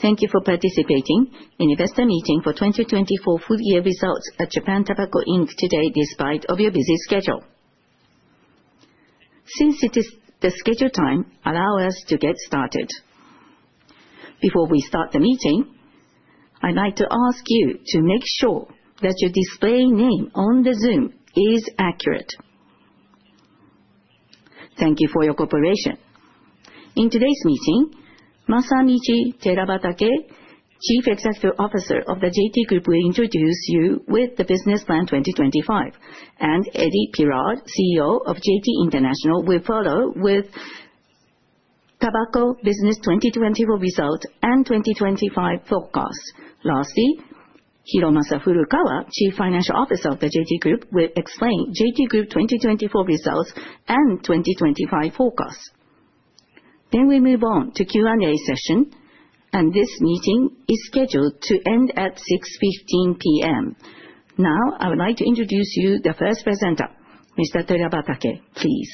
Thank you for participating in the investor meeting for 2024 full-year results at Japan Tobacco Inc. today, despite your busy schedule. Since it is the scheduled time, allow us to get started. Before we start the meeting, I'd like to ask you to make sure that your display name on the Zoom is accurate. Thank you for your cooperation. In today's meeting, Masamichi Terabatake, Chief Executive Officer of the JT Group, will introduce you with the Business Plan 2025, and Eddy Pirard, CEO of JT International, will follow with Tobacco Business 2024 Results and 2025 Forecast. Lastly, Hiromasa Furukawa, Chief Financial Officer of the JT Group, will explain JT Group 2024 Results and 2025 Forecast. Then we move on to the Q&A session, and this meeting is scheduled to end at 6:15 P.M. Now, I would like to introduce you to the first presenter, Mr. Terabatake. Please.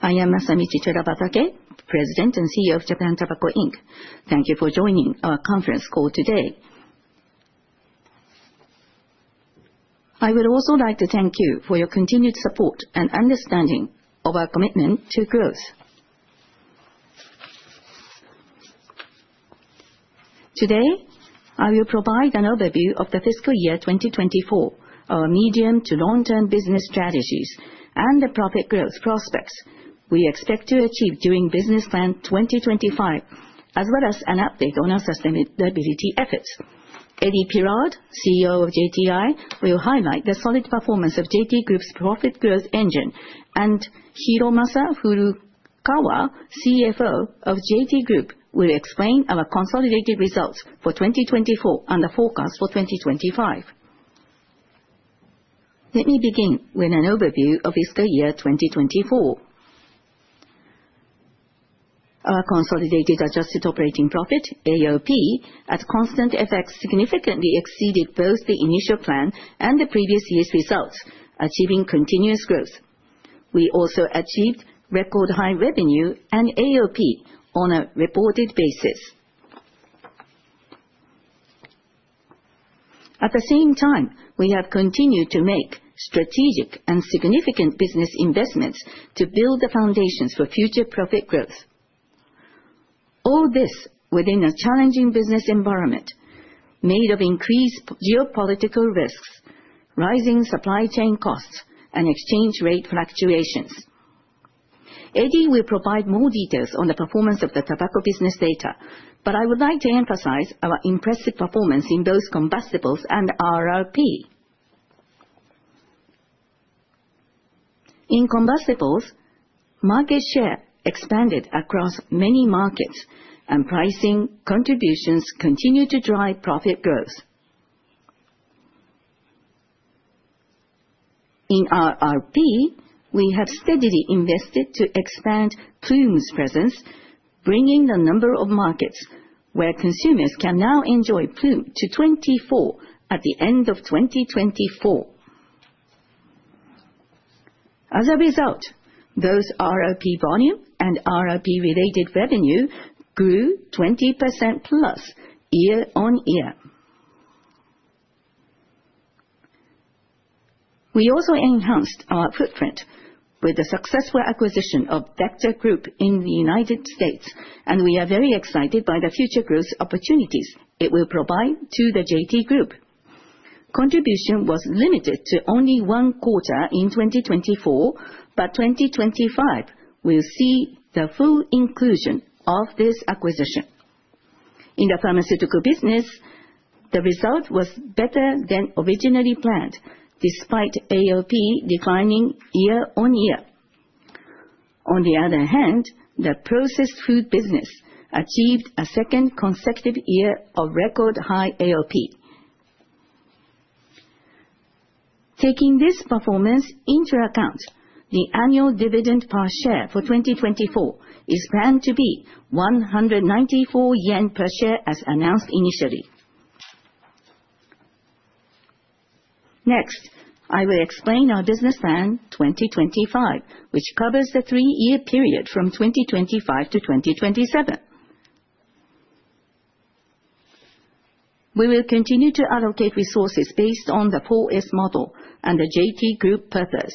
I am Masamichi Terabatake, President and CEO of Japan Tobacco Inc. Thank you for joining our conference call today. I would also like to thank you for your continued support and understanding of our commitment to growth. Today, I will provide an overview of the Fiscal Year 2024, our medium to long-term business strategies, and the profit growth prospects we expect to achieve during Business Plan 2025, as well as an update on our sustainability efforts. Eddy Pirard, CEO of JTI, will highlight the solid performance of JT Group's profit growth engine, and Hiromasa Furukawa, CFO of JT Group, will explain our consolidated results for 2024 and the forecast for 2025. Let me begin with an overview of Fiscal Year 2024. Our Consolidated Adjusted Operating Profit (AOP) at constant effects significantly exceeded both the initial plan and the previous year's results, achieving continuous growth. We also achieved record-high revenue and AOP on a reported basis. At the same time, we have continued to make strategic and significant business investments to build the foundations for future profit growth. All this within a challenging business environment made of increased geopolitical risks, rising supply chain costs, and exchange rate fluctuations. Eddy will provide more details on the performance of the tobacco business later, but I would like to emphasize our impressive performance in both combustibles and RRP. In combustibles, market share expanded across many markets, and pricing contributions continue to drive profit growth. In RRP, we have steadily invested to expand Ploom's presence, bringing the number of markets where consumers can now enjoy Ploom to 24 at the end of 2024. As a result, both RRP volume and RRP-related revenue grew 20% plus year on year. We also enhanced our footprint with the successful acquisition of Vector Group in the United States, and we are very excited by the future growth opportunities it will provide to the JT Group. Contribution was limited to only one quarter in 2024, but 2025 will see the full inclusion of this acquisition. In the pharmaceutical business, the result was better than originally planned, despite AOP declining year on year. On the other hand, the processed food business achieved a second consecutive year of record-high AOP. Taking this performance into account, the annual dividend per share for 2024 is planned to be 194 yen per share as announced initially. Next, I will explain our Business Plan 2025, which covers the three-year period from 2025 to 2027. We will continue to allocate resources based on the 4S Model and the JT Group Purpose.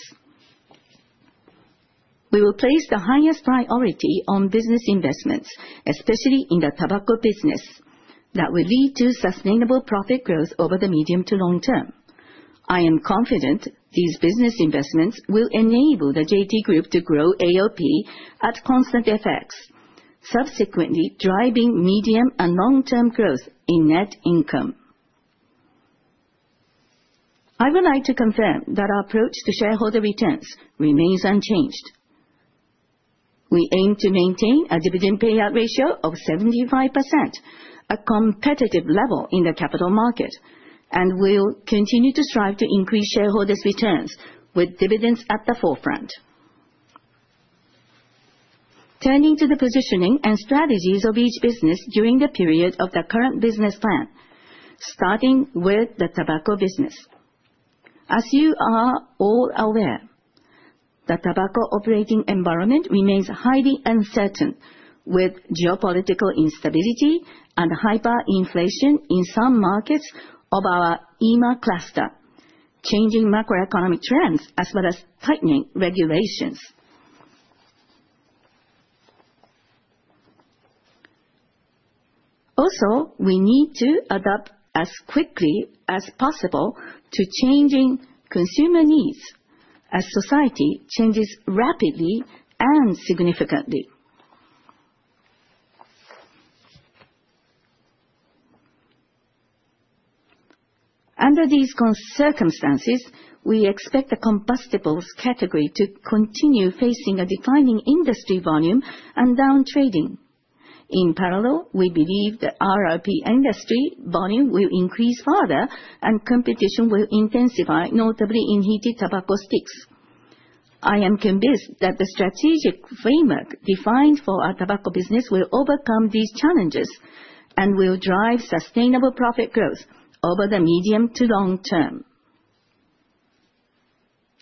We will place the highest priority on business investments, especially in the tobacco business, that will lead to sustainable profit growth over the medium to long term. I am confident these business investments will enable the JT Group to grow AOP at constant effects, subsequently driving medium and long-term growth in net income. I would like to confirm that our approach to shareholder returns remains unchanged. We aim to maintain a dividend payout ratio of 75%, a competitive level in the capital market, and we'll continue to strive to increase shareholders' returns with dividends at the forefront. Turning to the positioning and strategies of each business during the period of the current business plan, starting with the tobacco business. As you are all aware, the tobacco operating environment remains highly uncertain with geopolitical instability and hyperinflation in some markets of our EMA cluster, changing macroeconomic trends as well as tightening regulations. Also, we need to adapt as quickly as possible to changing consumer needs as society changes rapidly and significantly. Under these circumstances, we expect the combustibles category to continue facing a declining industry volume and downtrading. In parallel, we believe the RRP industry volume will increase further and competition will intensify, notably in heated tobacco sticks. I am convinced that the strategic framework defined for our tobacco business will overcome these challenges and will drive sustainable profit growth over the medium to long term.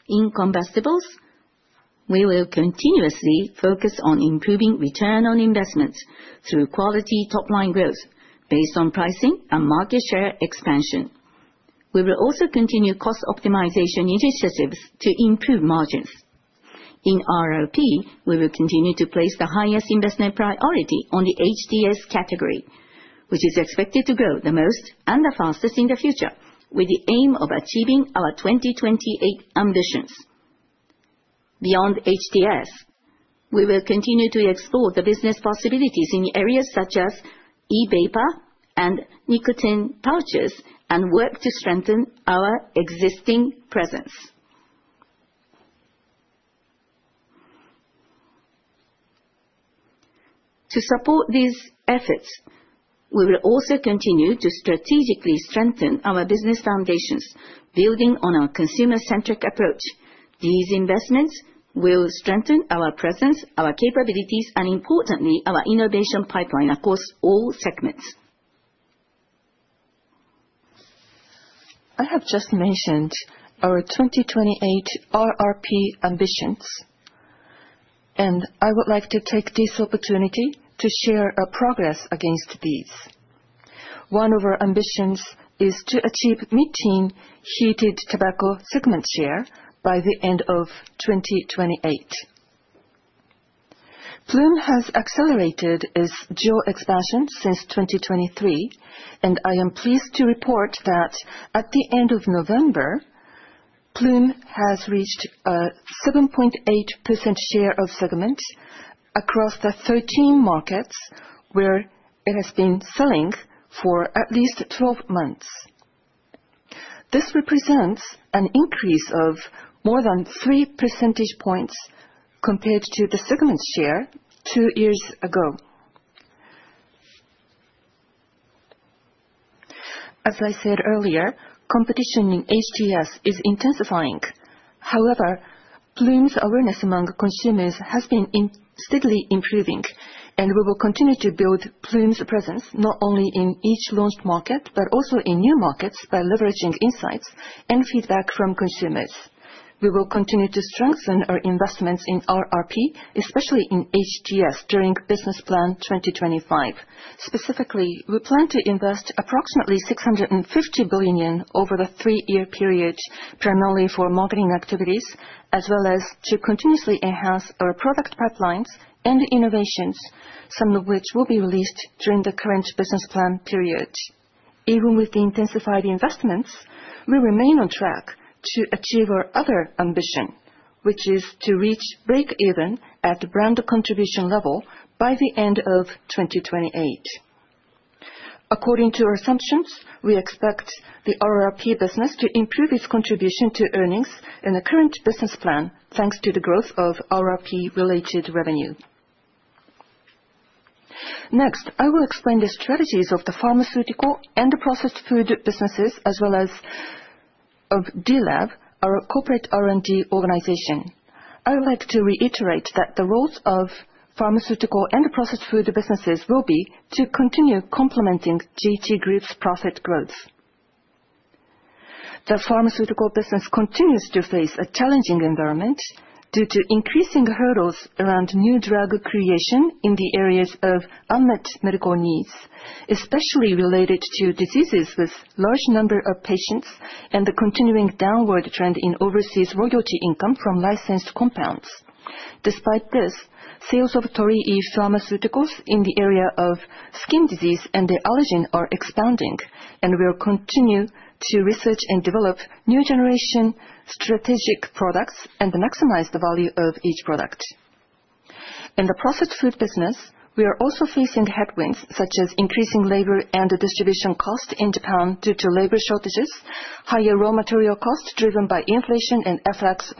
In combustibles, we will continuously focus on improving return on investments through quality top-line growth based on pricing and market share expansion. We will also continue cost optimization initiatives to improve margins. In RRP, we will continue to place the highest investment priority on the HTS category, which is expected to grow the most and the fastest in the future, with the aim of achieving our 2028 ambitions. Beyond HTS, we will continue to explore the business possibilities in areas such as E-Vapor and nicotine pouches and work to strengthen our existing presence. To support these efforts, we will also continue to strategically strengthen our business foundations, building on our consumer-centric approach. These investments will strengthen our presence, our capabilities, and importantly, our innovation pipeline across all segments. I have just mentioned our 2028 RRP ambitions, and I would like to take this opportunity to share our progress against these. One of our ambitions is to achieve meeting heated tobacco segment share by the end of 2028. Ploom has accelerated its geo-expansion since 2023, and I am pleased to report that at the end of November, Ploom has reached a 7.8% share of segment across the 13 markets where it has been selling for at least 12 months. This represents an increase of more than 3 percentage points compared to the segment share two years ago. As I said earlier, competition in HTS is intensifying. However, Ploom's awareness among consumers has been steadily improving, and we will continue to build Ploom's presence not only in each launched market but also in new markets by leveraging insights and feedback from consumers. We will continue to strengthen our investments in RRP, especially in HTS during Business Plan 2025. Specifically, we plan to invest approximately 650 billion yen over the three-year period, primarily for marketing activities, as well as to continuously enhance our product pipelines and innovations, some of which will be released during the current Business Plan period. Even with the intensified investments, we remain on track to achieve our other ambition, which is to reach break-even at the brand contribution level by the end of 2028. According to our assumptions, we expect the RRP business to improve its contribution to earnings in the current Business Plan thanks to the growth of RRP-related revenue. Next, I will explain the strategies of the pharmaceutical and processed food businesses, as well as of D-Lab, our corporate R&D organization. I would like to reiterate that the roles of pharmaceutical and processed food businesses will be to continue complementing JT Group's profit growth. The pharmaceutical business continues to face a challenging environment due to increasing hurdles around new drug creation in the areas of unmet medical needs, especially related to diseases with a large number of patients and the continuing downward trend in overseas royalty income from licensed compounds. Despite this, sales of Torii Pharmaceutical in the area of skin disease and the allergen are expanding, and we will continue to research and develop new generation strategic products and maximize the value of each product. In the processed food business, we are also facing headwinds such as increasing labor and distribution costs in Japan due to labor shortages, higher raw material costs driven by inflation and FX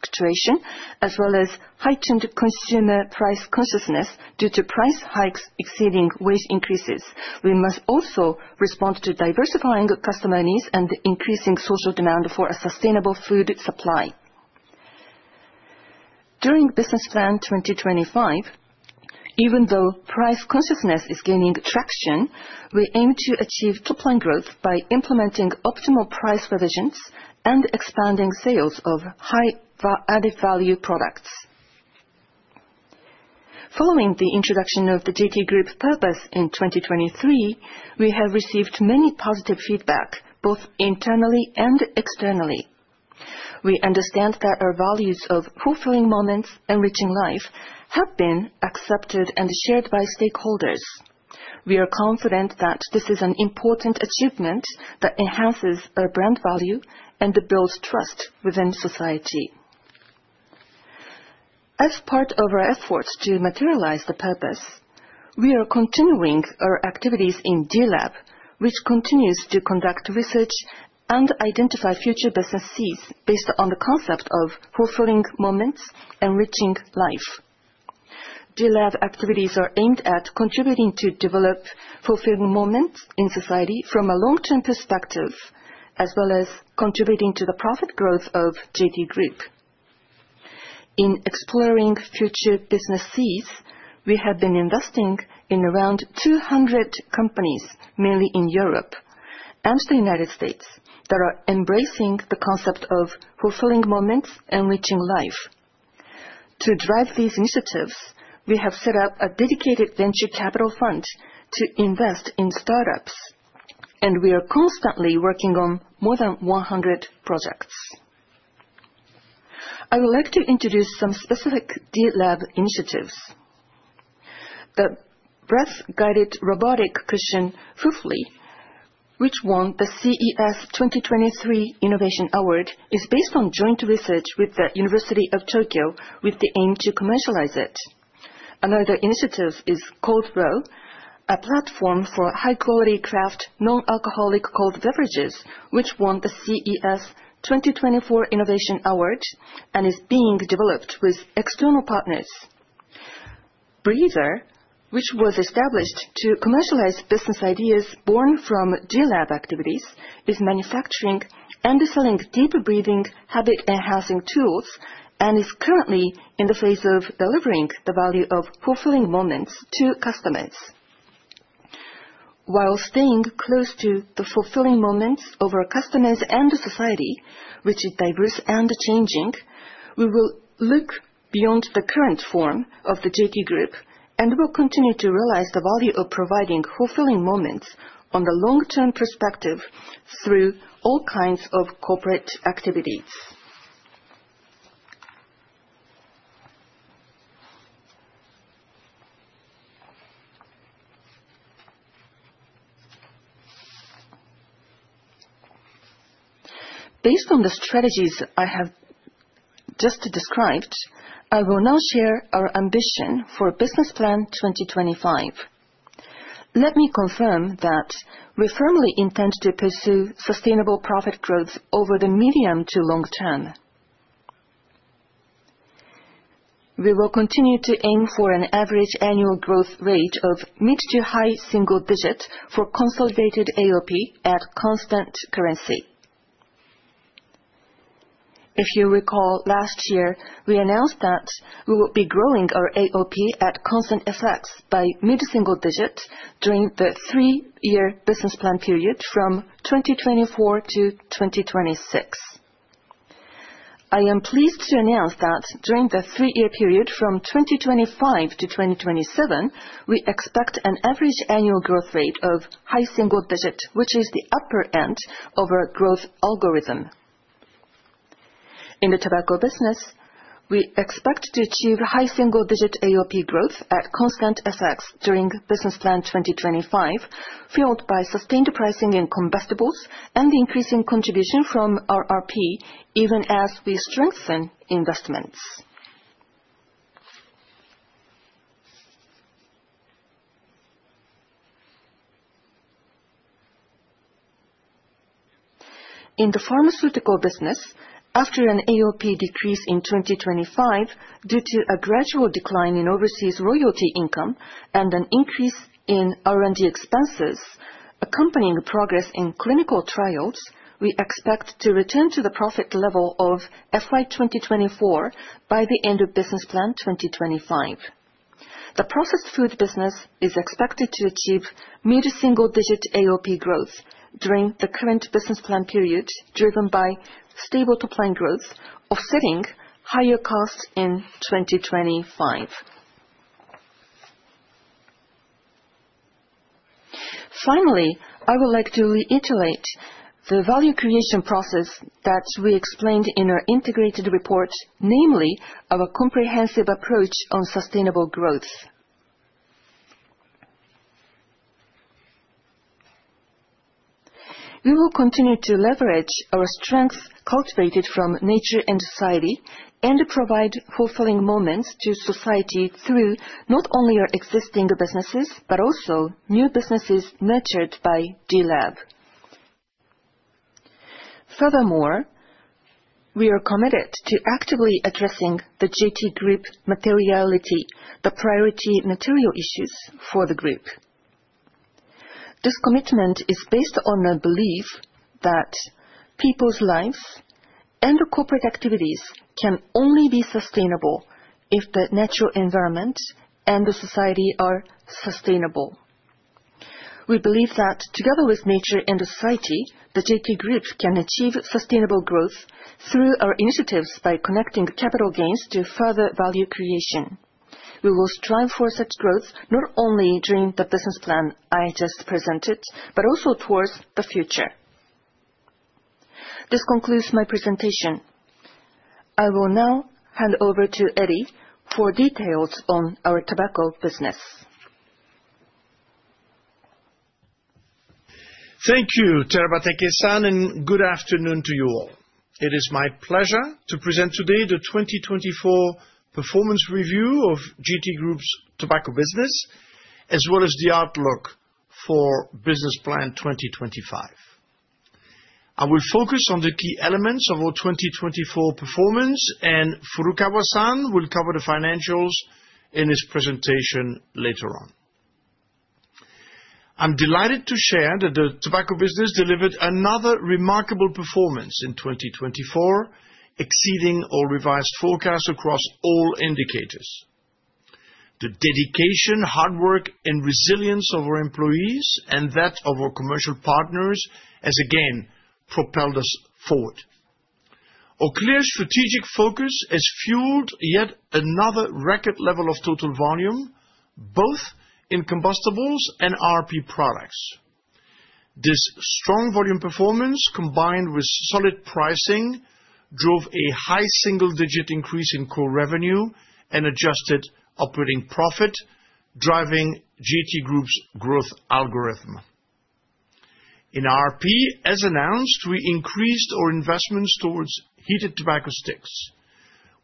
fluctuation, as well as heightened consumer price consciousness due to price hikes exceeding wage increases. We must also respond to diversifying customer needs and increasing social demand for a sustainable food supply. During Business Plan 2025, even though price consciousness is gaining traction, we aim to achieve top-line growth by implementing optimal price revisions and expanding sales of high added value products. Following the introduction of the JT Group Purpose in 2023, we have received many positive feedback both internally and externally. We understand that our values of fulfilling moments and rich in life have been accepted and shared by stakeholders. We are confident that this is an important achievement that enhances our brand value and builds trust within society. As part of our efforts to materialize the purpose, we are continuing our activities in D-Lab, which continues to conduct research and identify future businesses based on the concept of fulfilling moments and rich in life. D-Lab activities are aimed at contributing to develop fulfilling moments in society from a long-term perspective, as well as contributing to the profit growth of JT Group. In exploring future businesses, we have been investing in around 200 companies, mainly in Europe and the United States, that are embracing the concept of fulfilling moments and rich in life. To drive these initiatives, we have set up a dedicated venture capital fund to invest in startups, and we are constantly working on more than 100 projects. I would like to introduce some specific D-Lab initiatives. The breath-guided robotic cushion Fufuly, which won the CES 2023 Innovation Award, is based on joint research with the University of Tokyo with the aim to commercialize it. Another initiative is Kollo, a platform for high-quality craft non-alcoholic cold beverages, which won the CES 2024 Innovation Award and is being developed with external partners. Breather, which was established to commercialize business ideas born from D-Lab activities, is manufacturing and selling deep breathing habit-enhancing tools and is currently in the phase of delivering the value of fulfilling moments to customers. While staying close to the fulfilling moments of our customers and society, which is diverse and changing, we will look beyond the current form of the JT Group and will continue to realize the value of providing fulfilling moments on the long-term perspective through all kinds of corporate activities. Based on the strategies I have just described, I will now share our ambition for Business Plan 2025. Let me confirm that we firmly intend to pursue sustainable profit growth over the medium to long term. We will continue to aim for an average annual growth rate of mid- to high-single-digit for consolidated AOP at constant currency. If you recall last year, we announced that we will be growing our AOP at constant effects by mid-single-digit during the three-year Business Plan period from 2024 to 2026. I am pleased to announce that during the three-year period from 2025 to 2027, we expect an average annual growth rate of high-single-digit, which is the upper end of our growth algorithm. In the tobacco business, we expect to achieve high single digit AOP growth at constant effects during Business Plan 2025, fueled by sustained pricing in combustibles and the increasing contribution from RRP, even as we strengthen investments. In the pharmaceutical business, after an AOP decrease in 2025 due to a gradual decline in overseas royalty income and an increase in R&D expenses accompanying progress in clinical trials, we expect to return to the profit level of FY 2024 by the end of Business Plan 2025. The processed food business is expected to achieve mid single digit AOP growth during the current Business Plan period, driven by stable top-line growth offsetting higher costs in 2025. Finally, I would like to reiterate the value creation process that we explained in our integrated report, namely our comprehensive approach on sustainable growth. We will continue to leverage our strengths cultivated from nature and society and provide fulfilling moments to society through not only our existing businesses but also new businesses nurtured by D-Lab. Furthermore, we are committed to actively addressing the JT Group materiality, the priority material issues for the group. This commitment is based on the belief that people's lives and corporate activities can only be sustainable if the natural environment and the society are sustainable. We believe that together with nature and society, the JT Group can achieve sustainable growth through our initiatives by connecting capital gains to further value creation. We will strive for such growth not only during the Business Plan I just presented but also towards the future. This concludes my presentation. I will now hand over to Eddy for details on our tobacco business. Thank you, Terabatake-san, and good afternoon to you all. It is my pleasure to present today the 2024 performance review of JT Group's tobacco business, as well as the outlook for Business Plan 2025. I will focus on the key elements of our 2024 performance, and Furukawa-san will cover the financials in his presentation later on. I'm delighted to share that the tobacco business delivered another remarkable performance in 2024, exceeding all revised forecasts across all indicators. The dedication, hard work, and resilience of our employees and that of our commercial partners has again propelled us forward. Our clear strategic focus has fueled yet another record level of total volume, both in combustibles and RRP products. This strong volume performance, combined with solid pricing, drove a high single-digit increase in core revenue and adjusted operating profit, driving JT Group's growth algorithm. In RRP, as announced, we increased our investments towards heated tobacco sticks.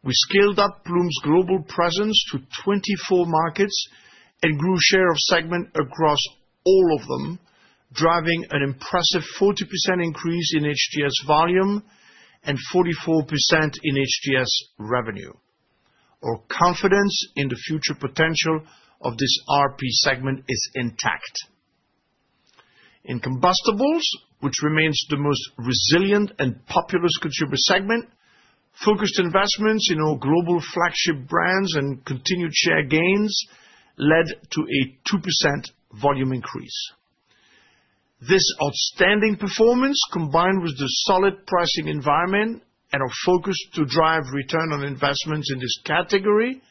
We scaled up Ploom's global presence to 24 markets and grew share of segment across all of them, driving an impressive 40% increase in HTS volume and 44% in HTS revenue. Our confidence in the future potential of this RRP segment is intact. In combustibles, which remains the most resilient and populous consumer segment, focused investments in our global flagship brands and continued share gains led to a 2% volume increase. This outstanding performance, combined with the solid pricing environment and our focus to drive return on investments in this category,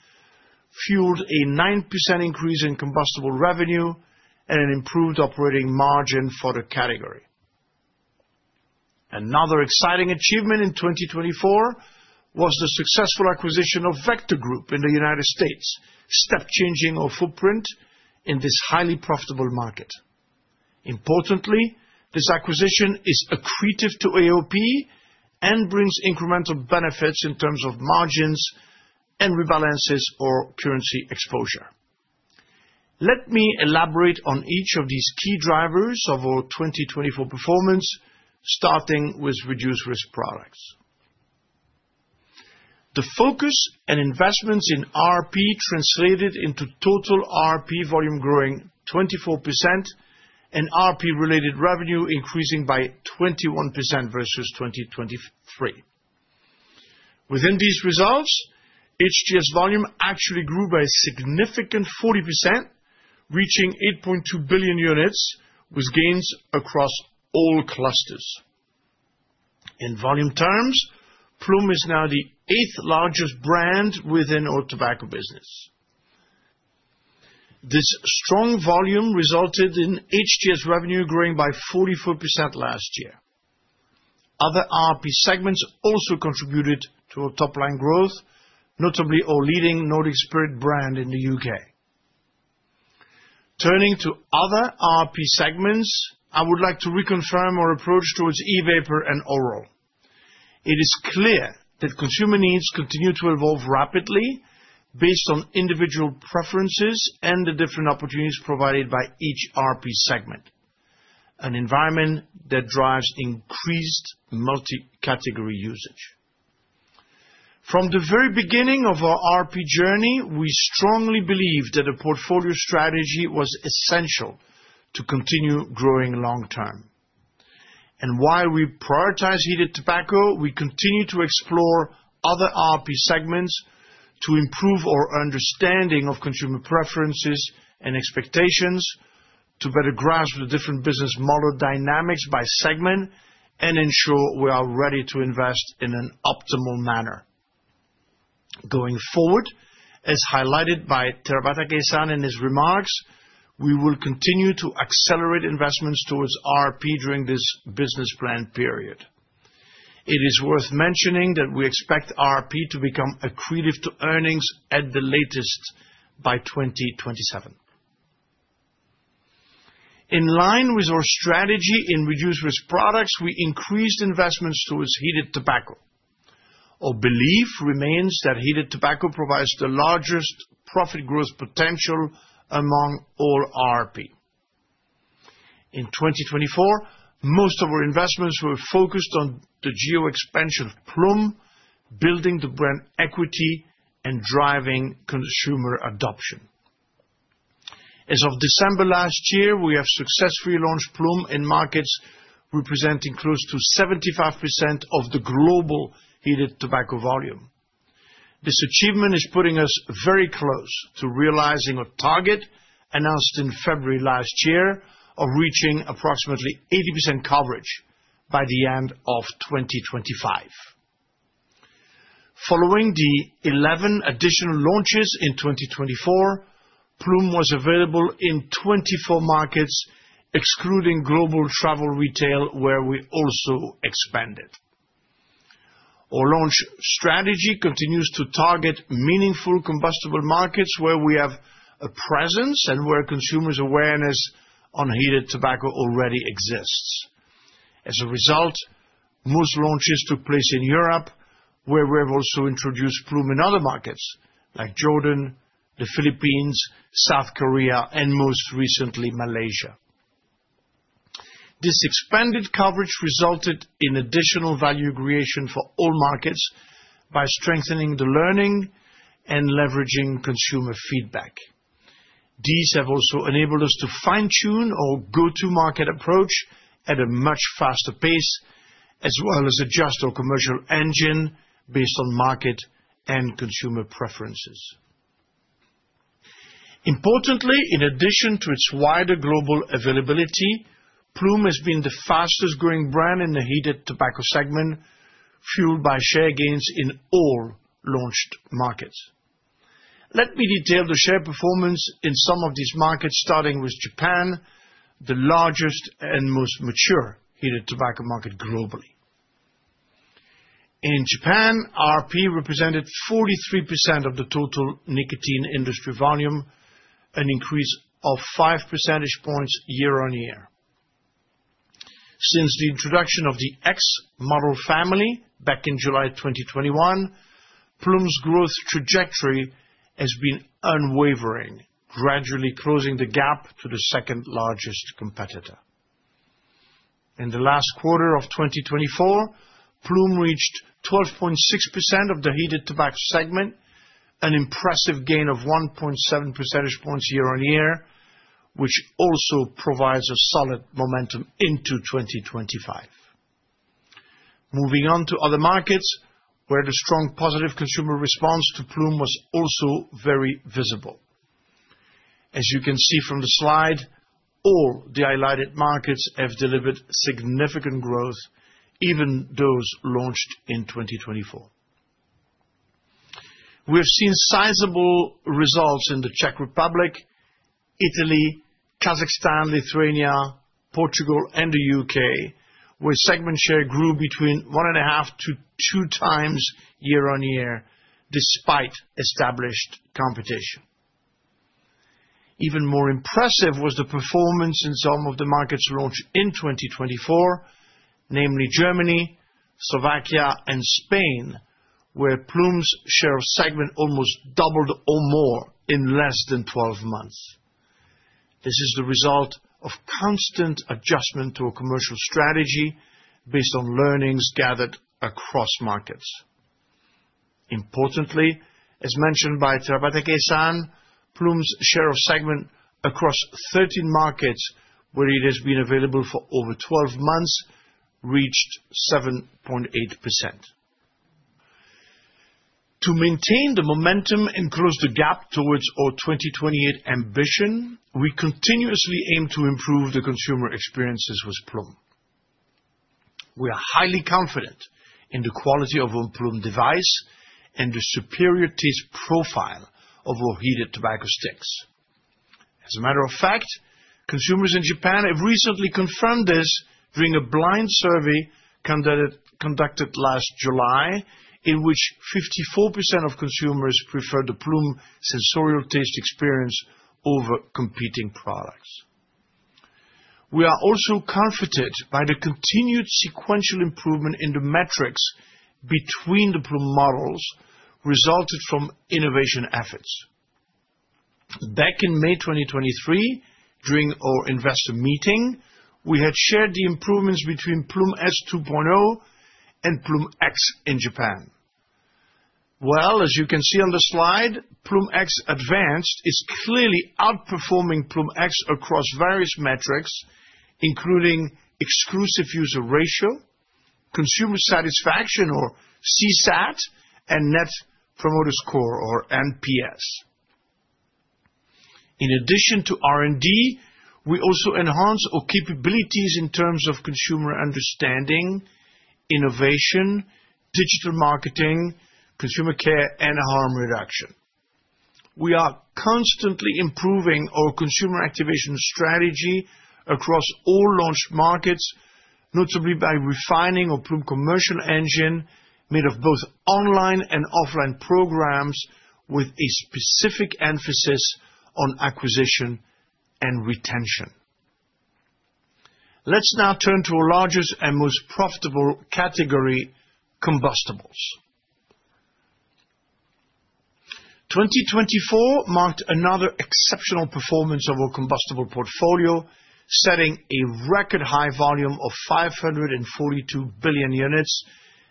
fueled a 9% increase in combustible revenue and an improved operating margin for the category. Another exciting achievement in 2024 was the successful acquisition of Vector Group in the United States, step-changing our footprint in this highly profitable market. Importantly, this acquisition is accretive to AOP and brings incremental benefits in terms of margins and rebalances our currency exposure. Let me elaborate on each of these key drivers of our 2024 performance, starting with Reduced-Risk Products. The focus and investments in RRP translated into total RRP volume growing 24% and RRP-related revenue increasing by 21% versus 2023. Within these results, HTS volume actually grew by a significant 40%, reaching 8.2 billion units with gains across all clusters. In volume terms, Ploom is now the eighth largest brand within our tobacco business. This strong volume resulted in HTS revenue growing by 44% last year. Other RRP segments also contributed to our top-line growth, notably our leading Nordic Spirit brand in the UK. Turning to other RRP segments, I would like to reconfirm our approach towards E-Vapor and oral. It is clear that consumer needs continue to evolve rapidly based on individual preferences and the different opportunities provided by each RRP segment, an environment that drives increased multi-category usage. From the very beginning of our RRP journey, we strongly believe that a portfolio strategy was essential to continue growing long-term. And while we prioritize heated tobacco, we continue to explore other RRP segments to improve our understanding of consumer preferences and expectations, to better grasp the different business model dynamics by segment and ensure we are ready to invest in an optimal manner. Going forward, as highlighted by Terabatake-san in his remarks, we will continue to accelerate investments towards RRP during this Business Plan period. It is worth mentioning that we expect RRP to become accretive to earnings at the latest by 2027. In line with our strategy in reduced risk products, we increased investments towards heated tobacco. Our belief remains that heated tobacco provides the largest profit growth potential among all RRP. In 2024, most of our investments were focused on the geo-expansion of Ploom, building the brand equity and driving consumer adoption. As of December last year, we have successfully launched Ploom in markets representing close to 75% of the global heated tobacco volume. This achievement is putting us very close to realizing our target announced in February last year of reaching approximately 80% coverage by the end of 2025. Following the 11 additional launches in 2024, Ploom was available in 24 markets, excluding Global Travel Retail, where we also expanded. Our launch strategy continues to target meaningful combustible markets where we have a presence and where consumers' awareness on heated tobacco already exists. As a result, most launches took place in Europe, where we have also introduced Ploom in other markets like Jordan, the Philippines, South Korea, and most recently Malaysia. This expanded coverage resulted in additional value creation for all markets by strengthening the learning and leveraging consumer feedback. These have also enabled us to fine-tune our go-to-market approach at a much faster pace, as well as adjust our commercial engine based on market and consumer preferences. Importantly, in addition to its wider global availability, Ploom has been the fastest-growing brand in the heated tobacco segment, fueled by share gains in all launched markets. Let me detail the share performance in some of these markets, starting with Japan, the largest and most mature heated tobacco market globally. In Japan, RRP represented 43% of the total nicotine industry volume, an increase of 5 percentage points year-on-year. Since the introduction of the Ploom X model family back in July 2021, Ploom's growth trajectory has been unwavering, gradually closing the gap to the second-largest competitor. In the last quarter of 2024, Ploom reached 12.6% of the heated tobacco segment, an impressive gain of 1.7 percentage points year-on-year, which also provides a solid momentum into 2025. Moving on to other markets, where the strong positive consumer response to Ploom was also very visible. As you can see from the slide, all the highlighted markets have delivered significant growth, even those launched in 2024. We have seen sizable results in the Czech Republic, Italy, Kazakhstan, Lithuania, Portugal, and the UK, where segment share grew between one-and-a-half to two times year-on-year, despite established competition. Even more impressive was the performance in some of the markets launched in 2024, namely Germany, Slovakia, and Spain, where Ploom's share of segment almost doubled or more in less than 12 months. This is the result of constant adjustment to our commercial strategy based on learnings gathered across markets. Importantly, as mentioned by Terabatake-san, Ploom's share of segment across 13 markets, where it has been available for over 12 months, reached 7.8%. To maintain the momentum and close the gap towards our 2028 ambition, we continuously aim to improve the consumer experiences with Ploom. We are highly confident in the quality of our Ploom device and the superior taste profile of our heated tobacco sticks. As a matter of fact, consumers in Japan have recently confirmed this during a blind survey conducted last July, in which 54% of consumers preferred the Ploom sensorial taste experience over competing products. We are also comforted by the continued sequential improvement in the metrics between the Ploom models, resulting from innovation efforts. Back in May 2023, during our investor meeting, we had shared the improvements between Ploom S 2.0 and Ploom X in Japan. As you can see on the slide, Ploom X Advanced is clearly outperforming Ploom X across various metrics, including exclusive user ratio, consumer satisfaction, or CSAT, and net promoter score, or NPS. In addition to R&D, we also enhance our capabilities in terms of consumer understanding, innovation, digital marketing, consumer care, and harm reduction. We are constantly improving our consumer activation strategy across all launched markets, notably by refining our Ploom commercial engine made of both online and offline programs, with a specific emphasis on acquisition and retention. Let's now turn to our largest and most profitable category, combustibles. 2024 marked another exceptional performance of our combustible portfolio, setting a record high volume of 542 billion units,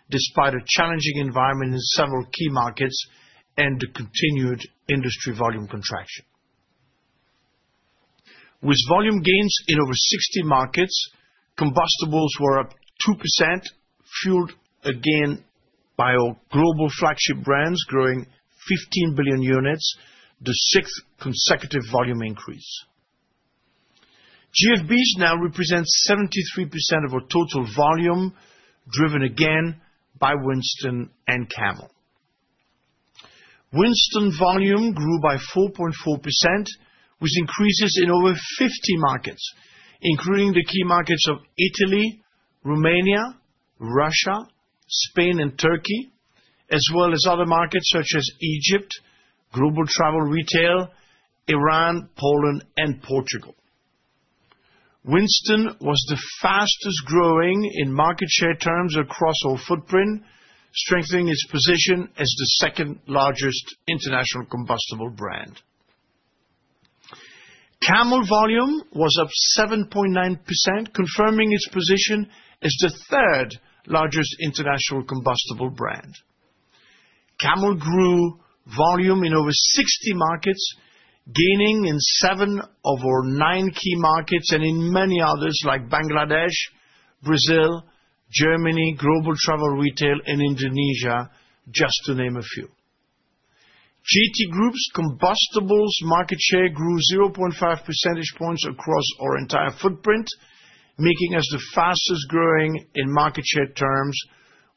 despite a challenging environment in several key markets and the continued industry volume contraction. With volume gains in over 60 markets, combustibles were up 2%, fueled again by our global flagship brands growing 15 billion units, the sixth consecutive volume increase. GFBs now represent 73% of our total volume, driven again by Winston and Camel. Winston volume grew by 4.4%, with increases in over 50 markets, including the key markets of Italy, Romania, Russia, Spain, and Turkey, as well as other markets such as Egypt, Global Travel Retail, Iran, Poland, and Portugal. Winston was the fastest growing in market share terms across our footprint, strengthening its position as the second-largest international combustible brand. Camel volume was up 7.9%, confirming its position as the third-largest international combustible brand. Camel grew volume in over 60 markets, gaining in seven of our nine key markets and in many others like Bangladesh, Brazil, Germany, Global Travel Retail, and Indonesia, just to name a few. JT Group's combustibles market share grew 0.5 percentage points across our entire footprint, making us the fastest growing in market share terms,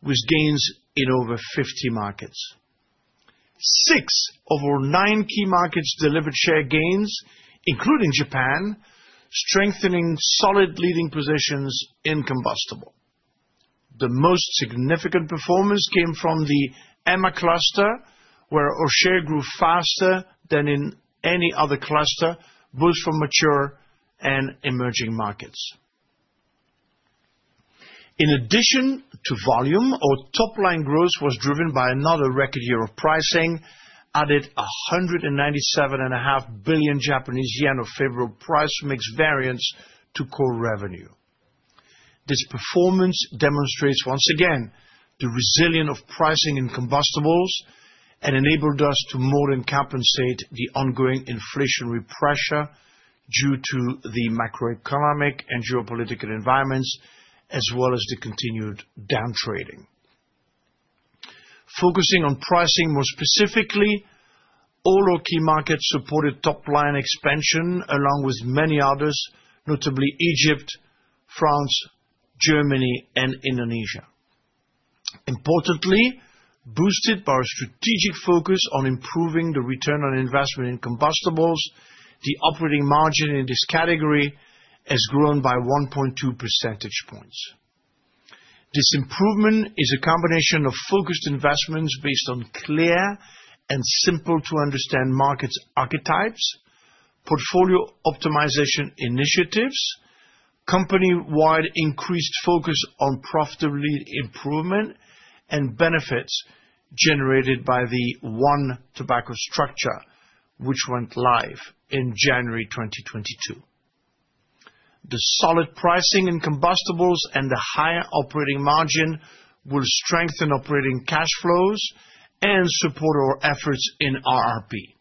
with gains in over 50 markets. Six of our nine key markets delivered share gains, including Japan, strengthening solid leading positions in combustibles. The most significant performance came from the EMA cluster, where our share grew faster than in any other cluster, both from mature and emerging markets. In addition to volume, our top-line growth was driven by another record year of pricing, added 197.5 billion Japanese yen of favorable price mix variance to core revenue. This performance demonstrates once again the resilience of pricing in combustibles and enabled us to more than compensate the ongoing inflationary pressure due to the macroeconomic and geopolitical environments, as well as the continued downtrading. Focusing on pricing more specifically, all our key markets supported top-line expansion, along with many others, notably Egypt, France, Germany, and Indonesia. Importantly, boosted by our strategic focus on improving the return on investment in combustibles, the operating margin in this category has grown by 1.2 percentage points. This improvement is a combination of focused investments based on clear and simple-to-understand market archetypes, portfolio optimization initiatives, company-wide increased focus on profitability improvement, and benefits generated by the One Tobacco Structure, which went live in January 2022. The solid pricing in combustibles and the higher operating margin will strengthen operating cash flows and support our efforts in RRP,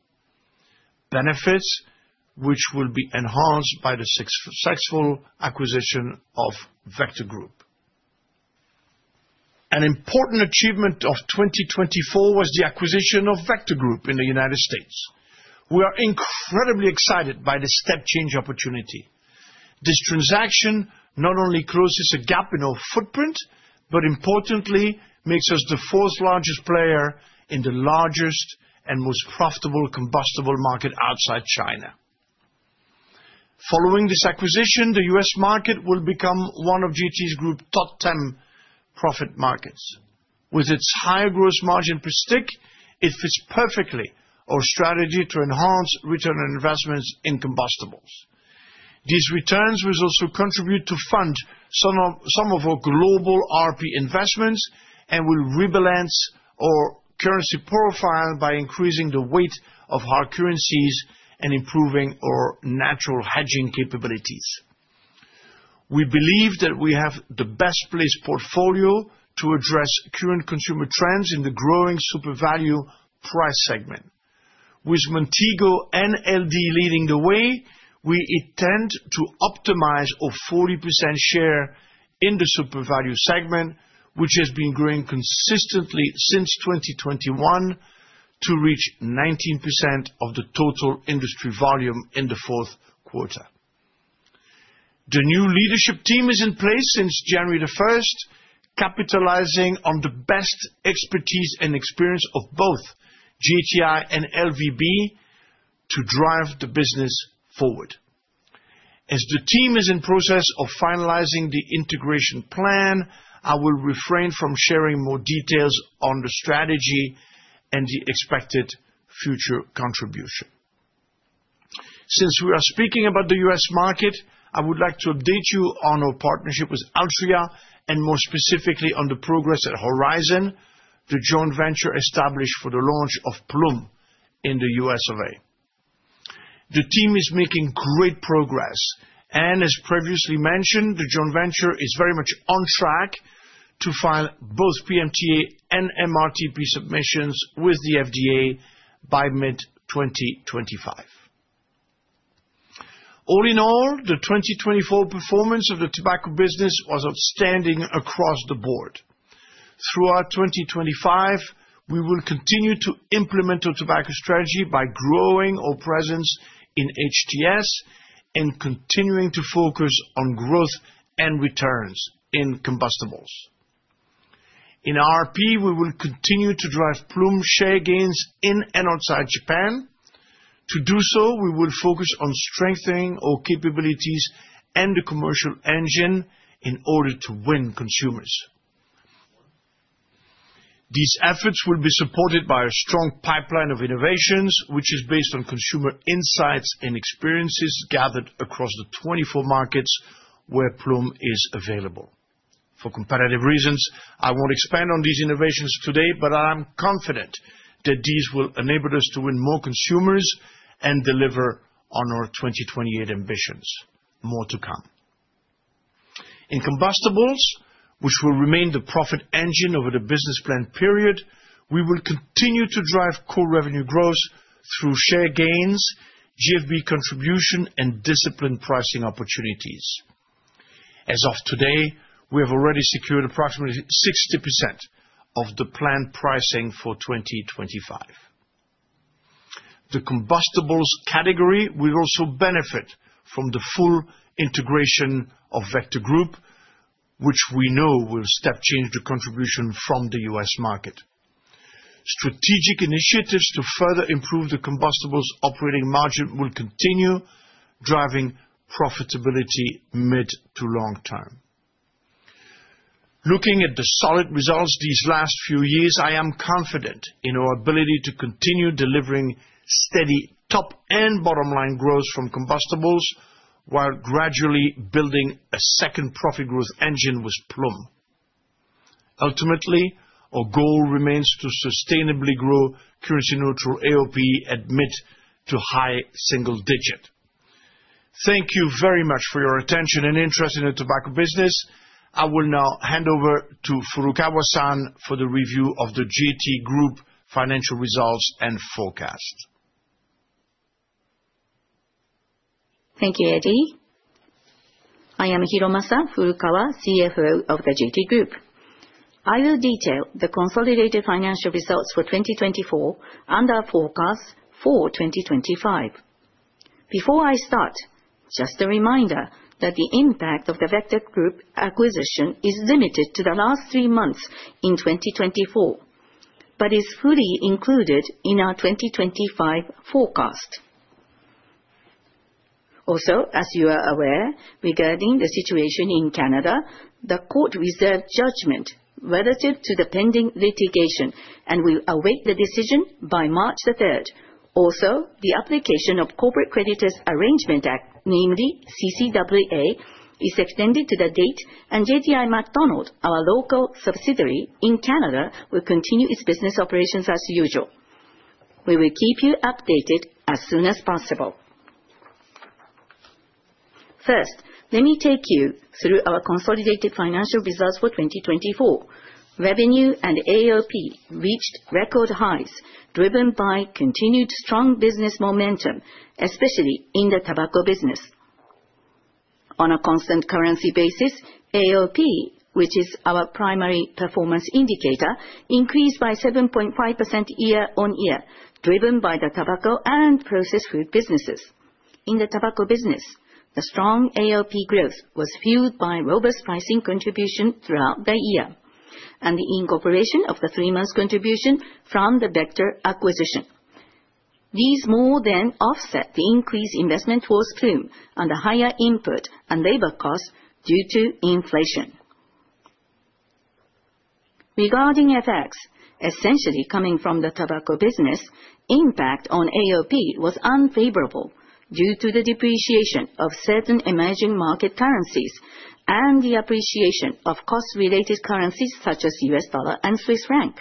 benefits which will be enhanced by the successful acquisition of Vector Group. An important achievement of 2024 was the acquisition of Vector Group in the United States. We are incredibly excited by the step-change opportunity. This transaction not only closes a gap in our footprint, but importantly, makes us the fourth-largest player in the largest and most profitable combustible market outside China. Following this acquisition, the U.S., market will become one of JT Group's top 10 profit markets. With its higher gross margin per stick, it fits perfectly our strategy to enhance return on investments in combustibles. These returns will also contribute to fund some of our global RRP investments and will rebalance our currency profile by increasing the weight of hard currencies and improving our natural hedging capabilities. We believe that we have the best-placed portfolio to address current consumer trends in the growing super-value price segment. With Montego and LD leading the way, we intend to optimize our 40% share in the super-value segment, which has been growing consistently since 2021 to reach 19% of the total industry volume in the fourth quarter. The new leadership team is in place since January 1st, capitalizing on the best expertise and experience of both JTI and LVB to drive the business forward. As the team is in the process of finalizing the integration plan, I will refrain from sharing more details on the strategy and the expected future contribution. Since we are speaking about the U.S., market, I would like to update you on our partnership with Altria, and more specifically on the progress at Horizon, the joint venture established for the launch of Ploom in the U.S., of A. The team is making great progress, and as previously mentioned, the joint venture is very much on track to file both PMTA and MRTP submissions with the FDA by mid-2025. All in all, the 2024 performance of the tobacco business was outstanding across the board. Throughout 2025, we will continue to implement our tobacco strategy by growing our presence in HTS and continuing to focus on growth and returns in combustibles. In RRP, we will continue to drive Ploom share gains in and outside Japan. To do so, we will focus on strengthening our capabilities and the commercial engine in order to win consumers. These efforts will be supported by a strong pipeline of innovations, which is based on consumer insights and experiences gathered across the 24 markets where Ploom is available. For competitive reasons, I won't expand on these innovations today, but I'm confident that these will enable us to win more consumers and deliver on our 2028 ambitions. More to come. In combustibles, which will remain the profit engine over the business plan period, we will continue to drive core revenue growth through share gains, GFB contribution, and disciplined pricing opportunities. As of today, we have already secured approximately 60% of the planned pricing for 2025. The combustibles category will also benefit from the full integration of Vector Group, which we know will step-change the contribution from the U.S., market. Strategic initiatives to further improve the combustibles' operating margin will continue driving profitability mid to long term. Looking at the solid results these last few years, I am confident in our ability to continue delivering steady top and bottom-line growth from combustibles while gradually building a second profit growth engine with Ploom. Ultimately, our goal remains to sustainably grow currency-neutral AOP at mid- to high-single-digit. Thank you very much for your attention and interest in the tobacco business. I will now hand over to Furukawa-san for the review of the JT Group financial results and forecast. Thank you, Eddie. I am Hiromasa Furukawa, CFO of the JT Group. I will detail the consolidated financial results for 2024 and our forecast for 2025. Before I start, just a reminder that the impact of the Vector Group acquisition is limited to the last three months in 2024, but is fully included in our 2025 forecast. Also, as you are aware, regarding the situation in Canada, the Court reserved judgment relative to the pending litigation and will await the decision by March 3rd. Also, the application of Companies' Creditors Arrangement Act, namely CCAA, is extended to the date, and JTI-Macdonald, our local subsidiary in Canada, will continue its business operations as usual. We will keep you updated as soon as possible. First, let me take you through our consolidated financial results for 2024. Revenue and AOP reached record highs, driven by continued strong business momentum, especially in the tobacco business. On a constant currency basis, AOP, which is our primary performance indicator, increased by 7.5% year on year, driven by the tobacco and processed food businesses. In the tobacco business, the strong AOP growth was fueled by robust pricing contribution throughout the year and the incorporation of the three-month contribution from the Vector acquisition. These more than offset the increased investment towards Ploom and the higher input and labor costs due to inflation. Regarding FX, essentially coming from the tobacco business, impact on AOP was unfavorable due to the depreciation of certain emerging market currencies and the appreciation of cost-related currencies such as USD and CHF.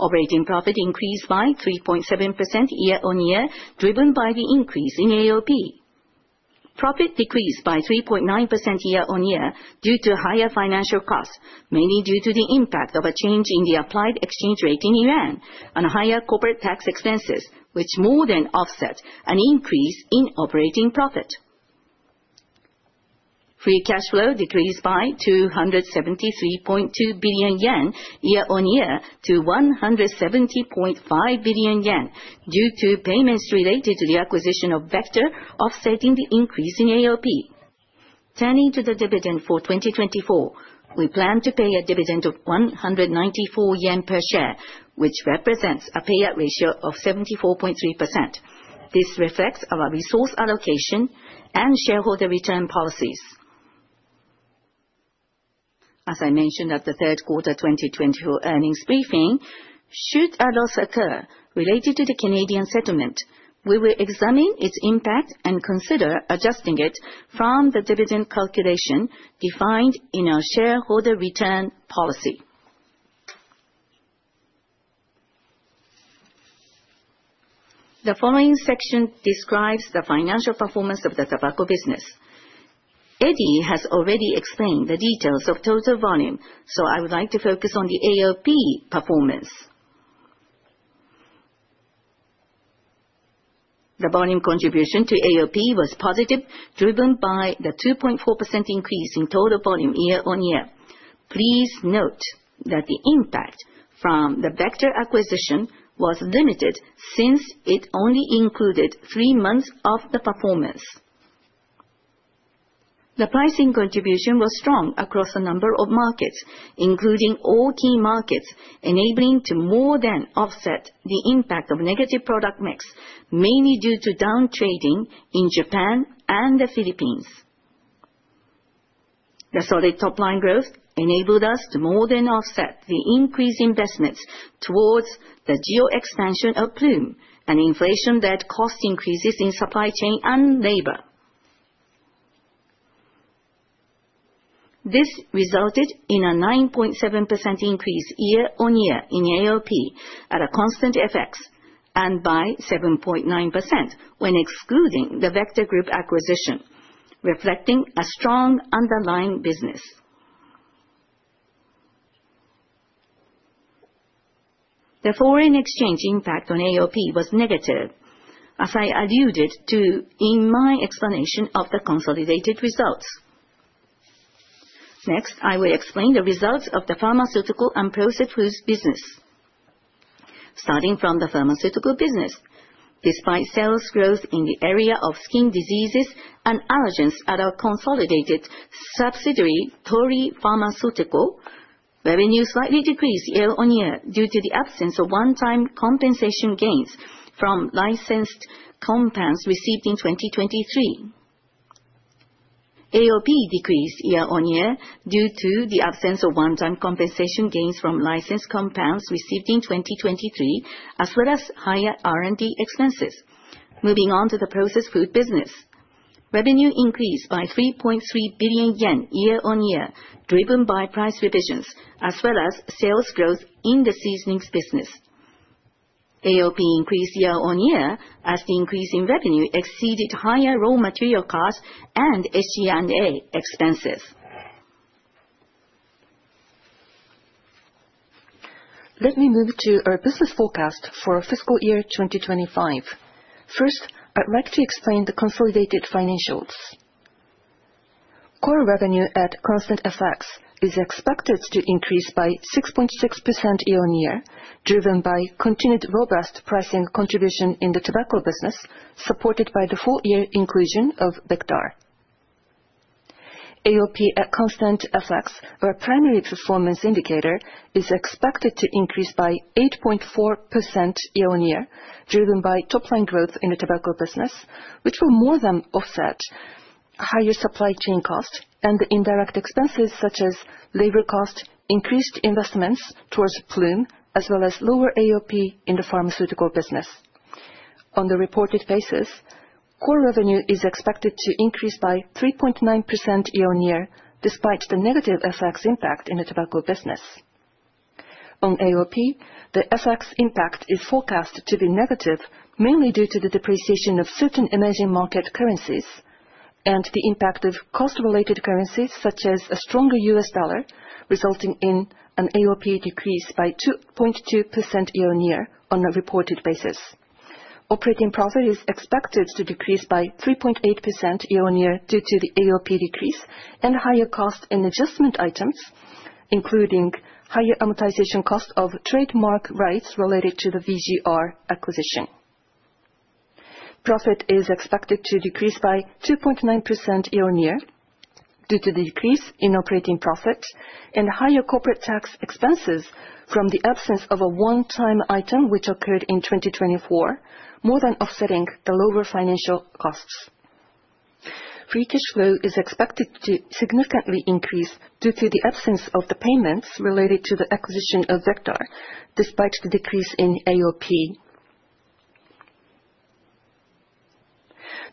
Operating profit increased by 3.7% year on year, driven by the increase in AOP. Profit decreased by 3.9% year on year due to higher financial costs, mainly due to the impact of a change in the applied exchange rate in Iran and higher corporate tax expenses, which more than offset an increase in operating profit. Free cash flow decreased by 273.2 billion yen year on year to 170.5 billion yen due to payments related to the acquisition of Vector, offsetting the increase in AOP. Turning to the dividend for 2024, we plan to pay a dividend of 194 yen per share, which represents a payout ratio of 74.3%. This reflects our resource allocation and shareholder return policies. As I mentioned at the third quarter 2024 earnings briefing, should a loss occur related to the Canadian settlement, we will examine its impact and consider adjusting it from the dividend calculation defined in our shareholder return policy. The following section describes the financial performance of the tobacco business. Eddy has already explained the details of total volume, so I would like to focus on the AOP performance. The volume contribution to AOP was positive, driven by the 2.4% increase in total volume year on year. Please note that the impact from the Vector acquisition was limited since it only included three months of the performance. The pricing contribution was strong across a number of markets, including all key markets, enabling to more than offset the impact of negative product mix, mainly due to downtrading in Japan and the Philippines. The solid top-line growth enabled us to more than offset the increased investments towards the geo-expansion of Ploom and inflation-led cost increases in supply chain and labor. This resulted in a 9.7% increase year on year in AOP at a constant FX and by 7.9% when excluding the Vector Group acquisition, reflecting a strong underlying business. The foreign exchange impact on AOP was negative, as I alluded to in my explanation of the consolidated results. Next, I will explain the results of the pharmaceutical and processed foods business. Starting from the pharmaceutical business, despite sales growth in the area of skin diseases and allergens at our consolidated subsidiary Torii Pharmaceutical, revenues slightly decreased year on year due to the absence of one-time compensation gains from licensed compounds received in 2023. AOP decreased year on year due to the absence of one-time compensation gains from licensed compounds received in 2023, as well as higher R&D expenses. Moving on to the processed food business, revenue increased by 3.3 billion yen year on year, driven by price revisions, as well as sales growth in the seasonings business. AOP increased year on year as the increase in revenue exceeded higher raw material costs and SG&A expenses. Let me move to our business forecast for fiscal year 2025. First, I'd like to explain the consolidated financials. Core revenue at constant FX is expected to increase by 6.6% year on year, driven by continued robust pricing contribution in the tobacco business, supported by the four-year inclusion of Vector. AOP at constant FX, our primary performance indicator, is expected to increase by 8.4% year on year, driven by top-line growth in the tobacco business, which will more than offset higher supply chain costs and the indirect expenses such as labor costs, increased investments towards Ploom, as well as lower AOP in the pharmaceutical business. On the reported basis, core revenue is expected to increase by 3.9% year on year, despite the negative FX impact in the tobacco business. On AOP, the FX impact is forecast to be negative, mainly due to the depreciation of certain emerging market currencies and the impact of cost-related currencies such as a stronger U.S., dollar, resulting in an AOP decrease by 2.2% year on year on the reported basis. Operating profit is expected to decrease by 3.8% year on year due to the AOP decrease and higher cost and adjustment items, including higher amortization cost of trademark rights related to the VGR acquisition. Profit is expected to decrease by 2.9% year on year due to the decrease in operating profit and higher corporate tax expenses from the absence of a one-time item, which occurred in 2024, more than offsetting the lower financial costs. Free cash flow is expected to significantly increase due to the absence of the payments related to the acquisition of Vector, despite the decrease in AOP.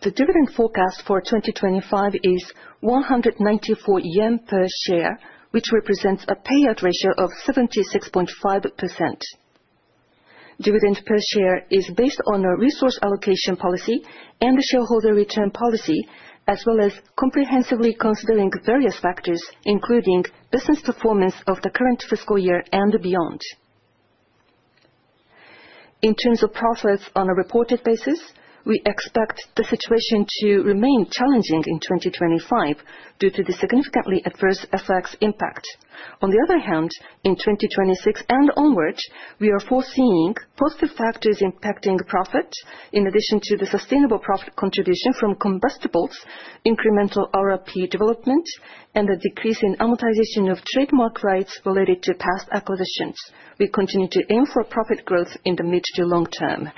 The dividend forecast for 2025 is 194 yen per share, which represents a payout ratio of 76.5%. Dividend per share is based on our resource allocation policy and the shareholder return policy, as well as comprehensively considering various factors, including business performance of the current fiscal year and beyond. In terms of profits on a reported basis, we expect the situation to remain challenging in 2025 due to the significantly adverse FX impact. On the other hand, in 2026 and onward, we are foreseeing positive factors impacting profit, in addition to the sustainable profit contribution from combustibles, incremental ROP development, and the decrease in amortization of trademark rights related to past acquisitions. We continue to aim for profit growth in the mid to long term.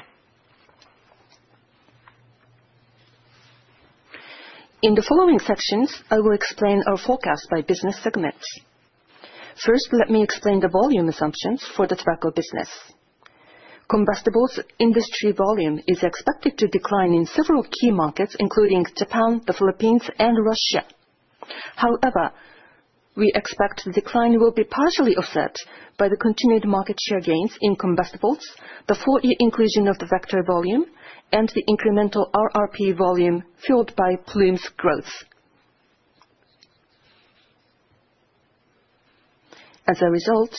In the following sections, I will explain our forecast by business segments. First, let me explain the volume assumptions for the tobacco business. Combustibles industry volume is expected to decline in several key markets, including Japan, the Philippines, and Russia. However, we expect the decline will be partially offset by the continued market share gains in combustibles, the full-year inclusion of the Vector volume, and the incremental RRP volume fueled by Ploom's growth. As a result,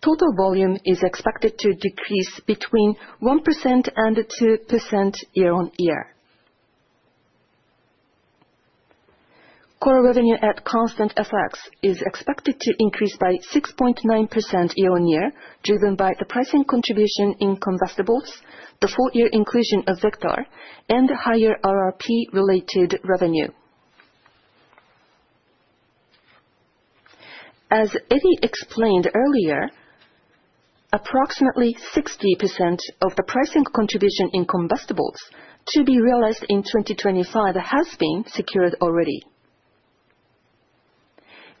total volume is expected to decrease between 1% and 2% year on year. Core revenue at constant FX is expected to increase by 6.9% year on year, driven by the pricing contribution in combustibles, the full-year inclusion of Vector, and the higher RRP-related revenue. As Eddie explained earlier, approximately 60% of the pricing contribution in combustibles to be realized in 2025 has been secured already.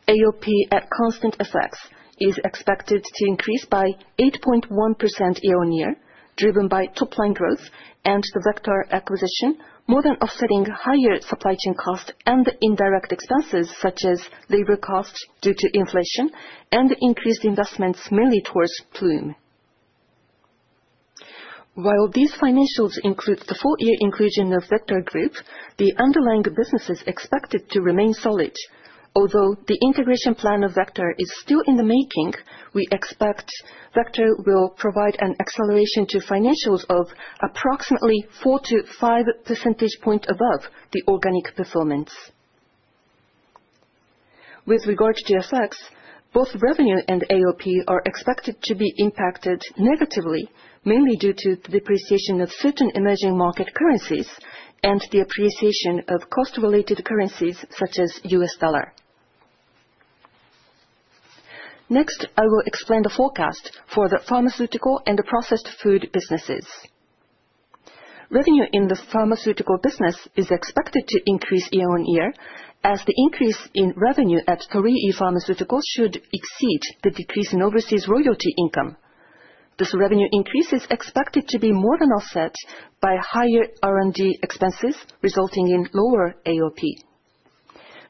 AOP at constant FX is expected to increase by 8.1% year on year, driven by top-line growth and the Vector acquisition, more than offsetting higher supply chain costs and the indirect expenses such as labor costs due to inflation and the increased investments mainly towards Ploom. While these financials include the four-year inclusion of Vector Group, the underlying business is expected to remain solid. Although the integration plan of Vector is still in the making, we expect Vector will provide an acceleration to financials of approximately 4 to 5 percentage points above the organic performance. With regard to FX, both revenue and AOP are expected to be impacted negatively, mainly due to the depreciation of certain emerging market currencies and the appreciation of cost-related currencies such as U.S., dollar. Next, I will explain the forecast for the pharmaceutical and processed food businesses. Revenue in the pharmaceutical business is expected to increase year on year, as the increase in revenue at Torii Pharmaceuticals should exceed the decrease in overseas royalty income. This revenue increase is expected to be more than offset by higher R&D expenses, resulting in lower AOP.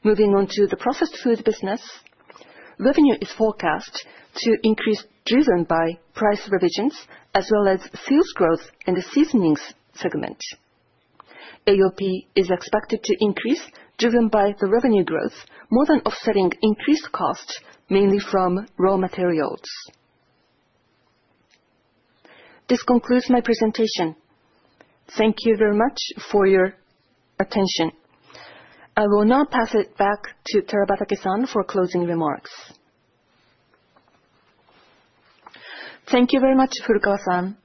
Moving on to the processed food business, revenue is forecast to increase, driven by price revisions, as well as sales growth in the seasonings segment. AOP is expected to increase, driven by the revenue growth, more than offsetting increased costs, mainly from raw materials. This concludes my presentation. Thank you very much for your attention. I will now pass it back to Terabatake-san for closing remarks. Thank you very much, Furukawa-san.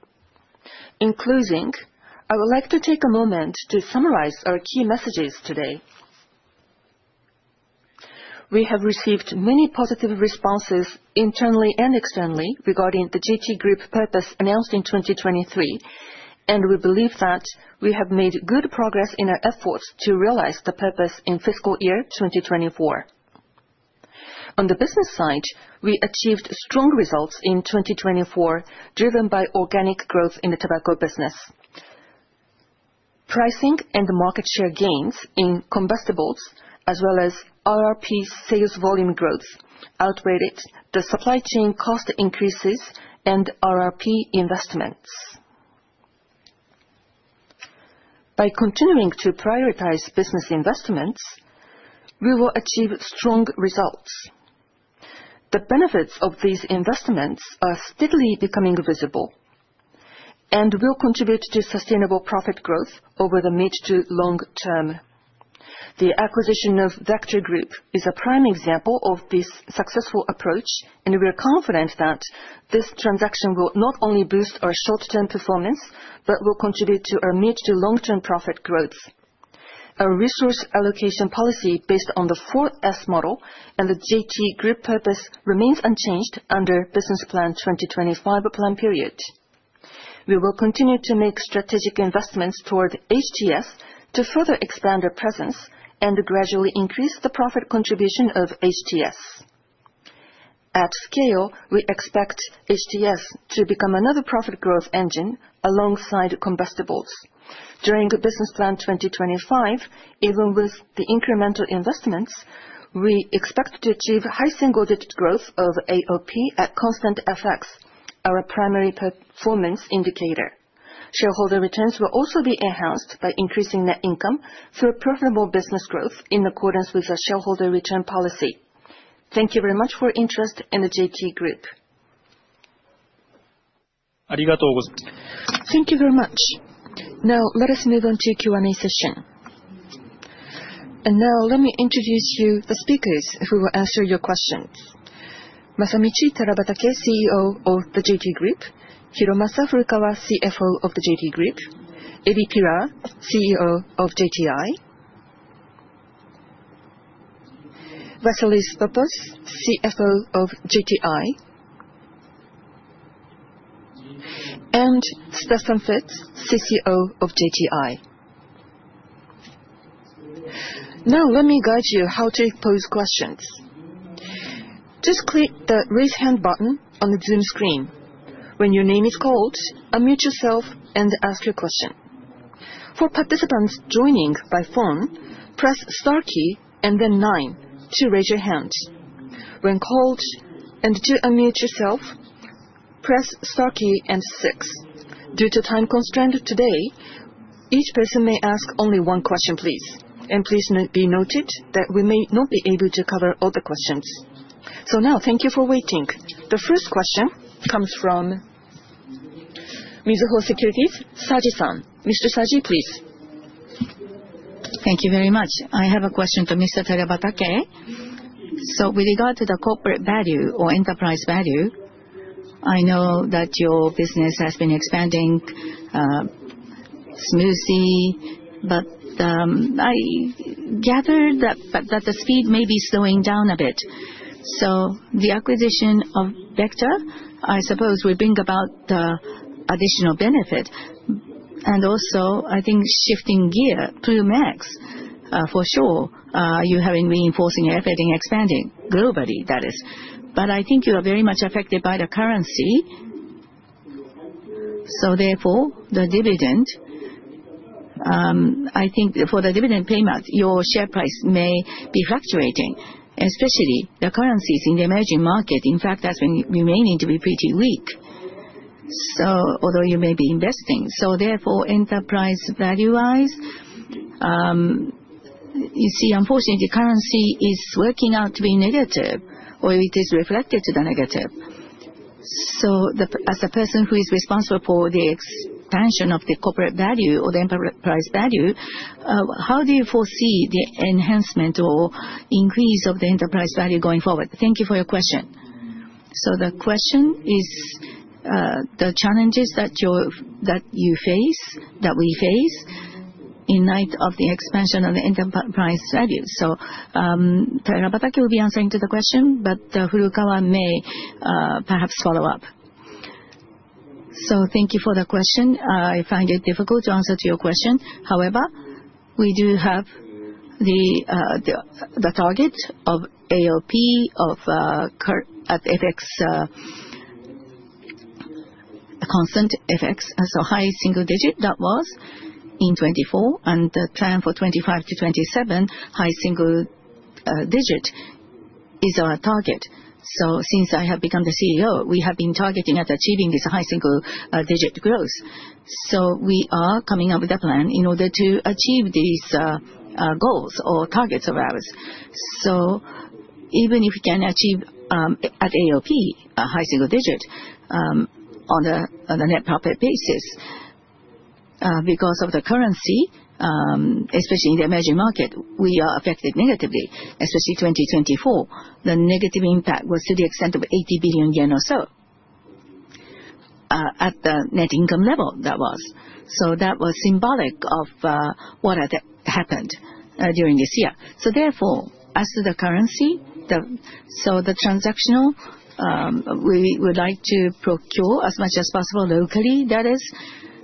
In closing, I would like to take a moment to summarize our key messages today. We have received many positive responses internally and externally regarding the JT Group Purpose announced in 2023, and we believe that we have made good progress in our efforts to realize the purpose in fiscal year 2024. On the business side, we achieved strong results in 2024, driven by organic growth in the tobacco business. Pricing and market share gains in combustibles, as well as RRP sales volume growth, outweighed the supply chain cost increases and RRP investments. By continuing to prioritize business investments, we will achieve strong results. The benefits of these investments are steadily becoming visible and will contribute to sustainable profit growth over the mid to long term. The acquisition of Vector Group is a prime example of this successful approach, and we are confident that this transaction will not only boost our short-term performance but will contribute to our mid to long-term profit growth. Our resource allocation policy based on the 4S model and the JT Group Purpose remains unchanged under Business Plan 2025 plan period. We will continue to make strategic investments toward HTS to further expand our presence and gradually increase the profit contribution of HTS. At scale, we expect HTS to become another profit growth engine alongside combustibles. During Business Plan 2025, even with the incremental investments, we expect to achieve high single-digit growth of AOP at constant FX, our primary performance indicator. Shareholder returns will also be enhanced by increasing net income through profitable business growth in accordance with our shareholder return policy. Thank you very much for interest in the JT Group. ありがとうございます。Thank you very much. Now, let us move on to Q&A session. And now, let me introduce you to the speakers who will answer your questions. Masamichi Terabatake, CEO of the JT Group; Hiromasa Furukawa, CFO of the JT Group; Eddy Pirard, CEO of JTI; Vassilis Vovos, CFO of JTI; and Stefan Fitz, CCO of JTI. Now, let me guide you how to pose questions. Just click the raise hand button on the Zoom screen. When your name is called, unmute yourself and ask your question. For participants joining by phone, press star key and then 9 to raise your hand. When called and to unmute yourself, press star key and 6. Due to time constraints today, each person may ask only one question, please. And please be noted that we may not be able to cover all the questions. So now, thank you for waiting. The first question comes from Mizuho Securities, Saji-san. Mr. Saji, please. Thank you very much. I have a question for Mr. Terabatake. So, with regard to the corporate value or enterprise value, I know that your business has been expanding smoothly, but I gather that the speed may be slowing down a bit. The acquisition of Vector, I suppose, will bring about the additional benefit. And also, I think shifting gear, Ploom X, for sure, you have been reinforcing effort in expanding globally, that is. But I think you are very much affected by the currency. Therefore, the dividend, I think for the dividend payment, your share price may be fluctuating, especially the currencies in the emerging market. In fact, that's been remaining to be pretty weak, although you may be investing. Therefore, enterprise value-wise, you see, unfortunately, the currency is working out to be negative, or it is reflected to the negative. As a person who is responsible for the expansion of the corporate value or the enterprise value, how do you foresee the enhancement or increase of the enterprise value going forward? Thank you for your question. The question is the challenges that you face, that we face in light of the expansion of the enterprise value. Terabatake will be answering to the question, but Furukawa may perhaps follow up. Thank you for the question. I find it difficult to answer to your question. However, we do have the target of AOP at FX, constant FX, so high single-digit that was in 2024, and the plan for 2025 to 2027, high single-digit is our target. Since I have become the CEO, we have been targeting at achieving this high single-digit growth. We are coming up with a plan in order to achieve these goals or targets of ours. Even if we can achieve at AOP a high single-digit % on a net profit basis, because of the currency, especially in the emerging market, we are affected negatively, especially 2024. The negative impact was to the extent of 80 billion yen or so at the net income level that was. That was symbolic of what had happened during this year. Therefore, as to the currency, the transactional, we would like to procure as much as possible locally, that is.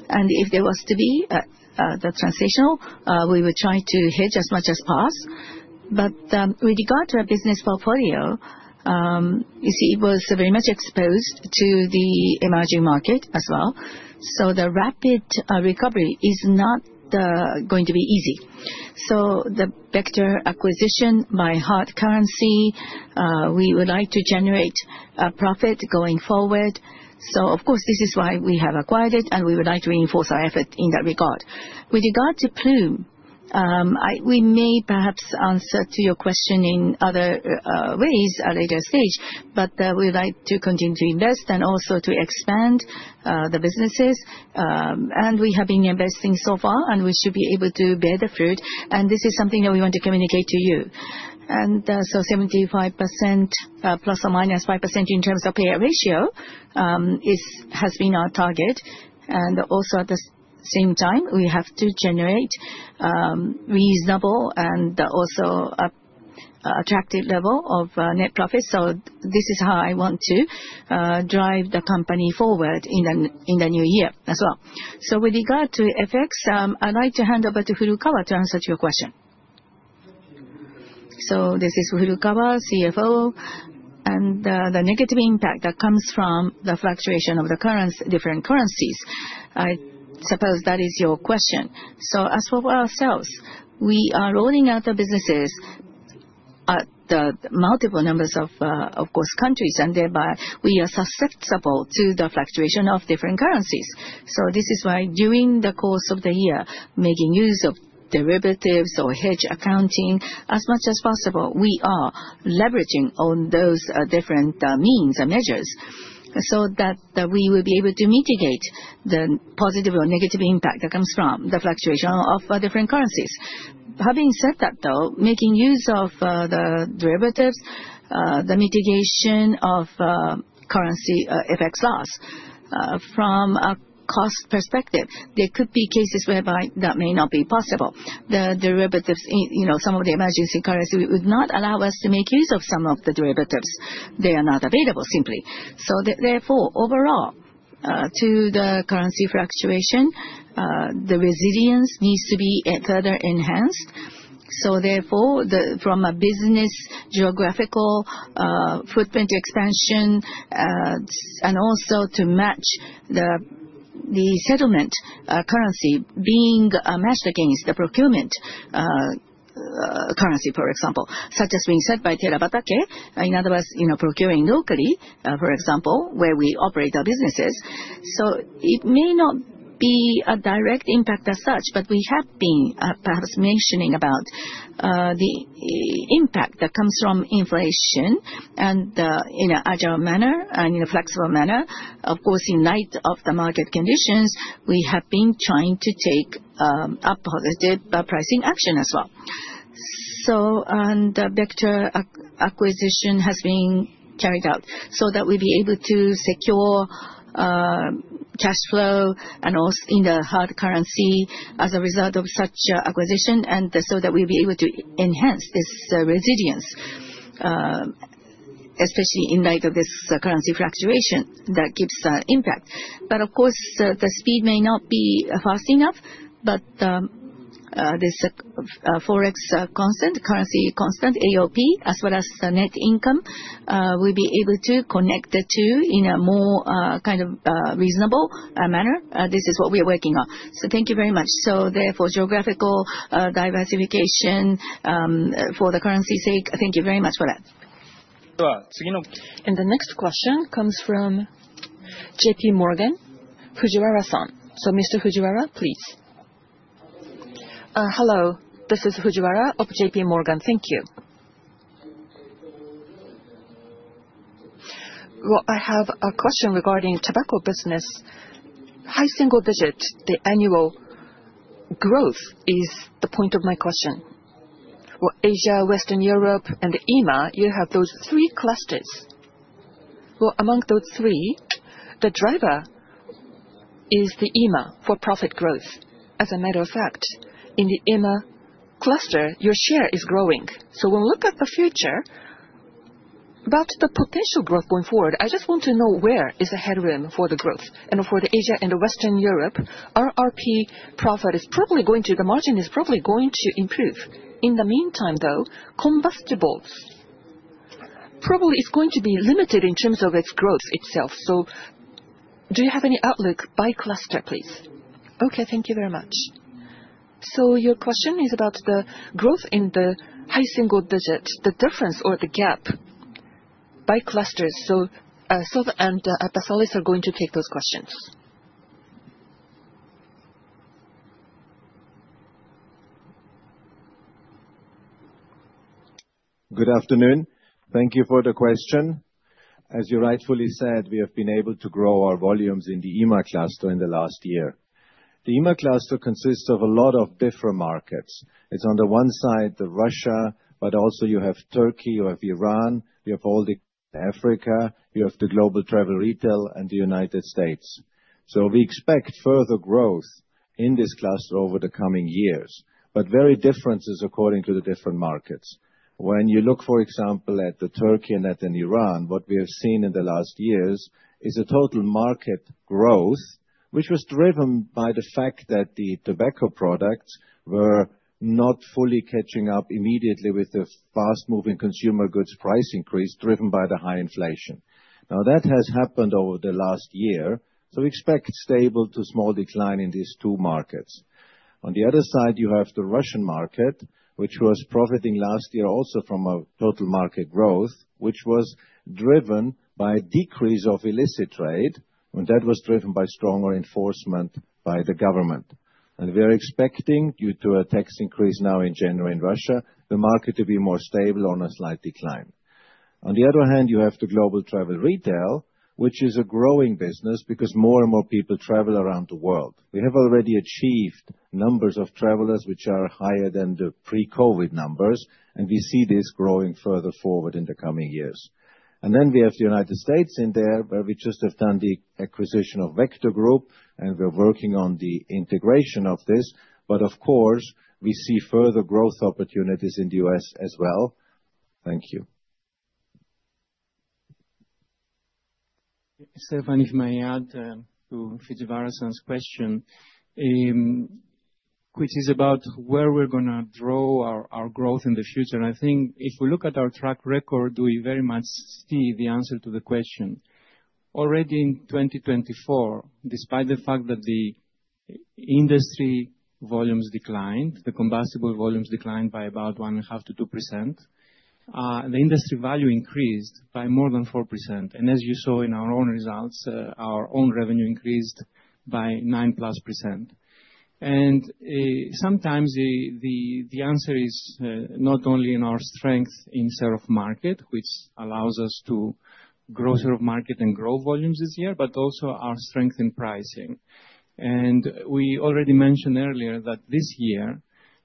If there was to be the transactional, we would try to hedge as much as possible. With regard to our business portfolio, you see, it was very much exposed to the emerging market as well. The rapid recovery is not going to be easy. So, the Vector acquisition by hard currency, we would like to generate a profit going forward. So, of course, this is why we have acquired it, and we would like to reinforce our effort in that regard. With regard to Ploom, we may perhaps answer to your question in other ways at a later stage, but we would like to continue to invest and also to expand the businesses. And we have been investing so far, and we should be able to bear the fruit. And this is something that we want to communicate to you. And so, 75% plus or minus 5% in terms of payout ratio has been our target. And also, at the same time, we have to generate reasonable and also attractive level of net profit. So, this is how I want to drive the company forward in the new year as well. So, with regard to FX, I'd like to hand over to Furukawa to answer to your question. So, this is Furukawa, CFO, and the negative impact that comes from the fluctuation of the different currencies. I suppose that is your question. So, as for ourselves, we are rolling out the businesses at multiple numbers of, of course, countries, and thereby we are susceptible to the fluctuation of different currencies. So, this is why during the course of the year, making use of derivatives or hedge accounting as much as possible, we are leveraging on those different means and measures so that we will be able to mitigate the positive or negative impact that comes from the fluctuation of different currencies. Having said that, though, making use of the derivatives, the mitigation of currency effects loss from a cost perspective, there could be cases whereby that may not be possible. The derivatives, some of the emerging currency would not allow us to make use of some of the derivatives. They are simply not available. So, therefore, overall, to the currency fluctuation, the resilience needs to be further enhanced. So, therefore, from a business geographical footprint expansion and also to match the settlement currency being matched against the procurement currency, for example, such as being said by Terabatake, in other words, procuring locally, for example, where we operate our businesses. So, it may not be a direct impact as such, but we have been perhaps mentioning about the impact that comes from inflation and in an agile manner and in a flexible manner. Of course, in light of the market conditions, we have been trying to take a positive pricing action as well. The Vector acquisition has been carried out so that we be able to secure cash flow and also in the hard currency as a result of such acquisition, and so that we be able to enhance this resilience, especially in light of this currency fluctuation that gives impact. Of course, the speed may not be fast enough, but this Forex constant, currency constant, AOP, as well as net income, we be able to connect the two in a more kind of reasonable manner. This is what we are working on. Thank you very much. Therefore, geographical diversification for the currency's sake. Thank you very much for that. The next question comes from J.P. Morgan, Fujiwara-san. Mr. Fujiwara, please. Hello. This is Fujiwara of J.P. Morgan. Thank you. I have a question regarding tobacco business. High single-digit, the annual growth is the point of my question. Well, Asia, Western Europe, and the EMA, you have those three clusters. Well, among those three, the driver is the EMA for profit growth. As a matter of fact, in the EMA cluster, your share is growing. So, when we look at the future, about the potential growth going forward, I just want to know where is the headroom for the growth. And for the Asia and the Western Europe, RRP profit is probably going to the margin is probably going to improve. In the meantime, though, combustibles probably is going to be limited in terms of its growth itself. So, do you have any outlook by cluster, please? Okay. Thank you very much. So, your question is about the growth in the high single-digit, the difference or the gap by clusters. So, Stefan and Vassilis are going to take those questions. Good afternoon. Thank you for the question. As you rightfully said, we have been able to grow our volumes in the EMA cluster in the last year. The EMA cluster consists of a lot of different markets. It's on the one side Russia, but also you have Turkey, you have Iran, you have all of Africa, you have the Global Travel Retail, and the United States. So, we expect further growth in this cluster over the coming years, but very different according to the different markets. When you look, for example, at Turkey and at Iran, what we have seen in the last years is a total market growth, which was driven by the fact that the tobacco products were not fully catching up immediately with the fast-moving consumer goods price increase driven by the high inflation. Now, that has happened over the last year. So, we expect stable to small decline in these two markets. On the other side, you have the Russian market, which was profiting last year also from a total market growth, which was driven by a decrease of illicit trade, and that was driven by stronger enforcement by the government. And we are expecting, due to a tax increase now in January in Russia, the market to be more stable on a slight decline. On the other hand, you have the Global Travel Retail, which is a growing business because more and more people travel around the world. We have already achieved numbers of travelers which are higher than the pre-COVID numbers, and we see this growing further forward in the coming years. And then we have the United States in there, where we just have done the acquisition of Vector Group, and we're working on the integration of this. But, of course, we see further growth opportunities in the U.S., as well. Thank you. Stephanie, if I may add to Fujiwara-san's question, which is about where we're going to draw our growth in the future. I think if we look at our track record, we very much see the answer to the question. Already in 2024, despite the fact that the industry volumes declined, the combustibles volumes declined by about 1.5%-2%, the industry value increased by more than 4%. And as you saw in our own results, our own revenue increased by 9 plus %. And sometimes the answer is not only in our strength in share of market, which allows us to grow share of market and grow volumes this year, but also our strength in pricing. And we already mentioned earlier that this year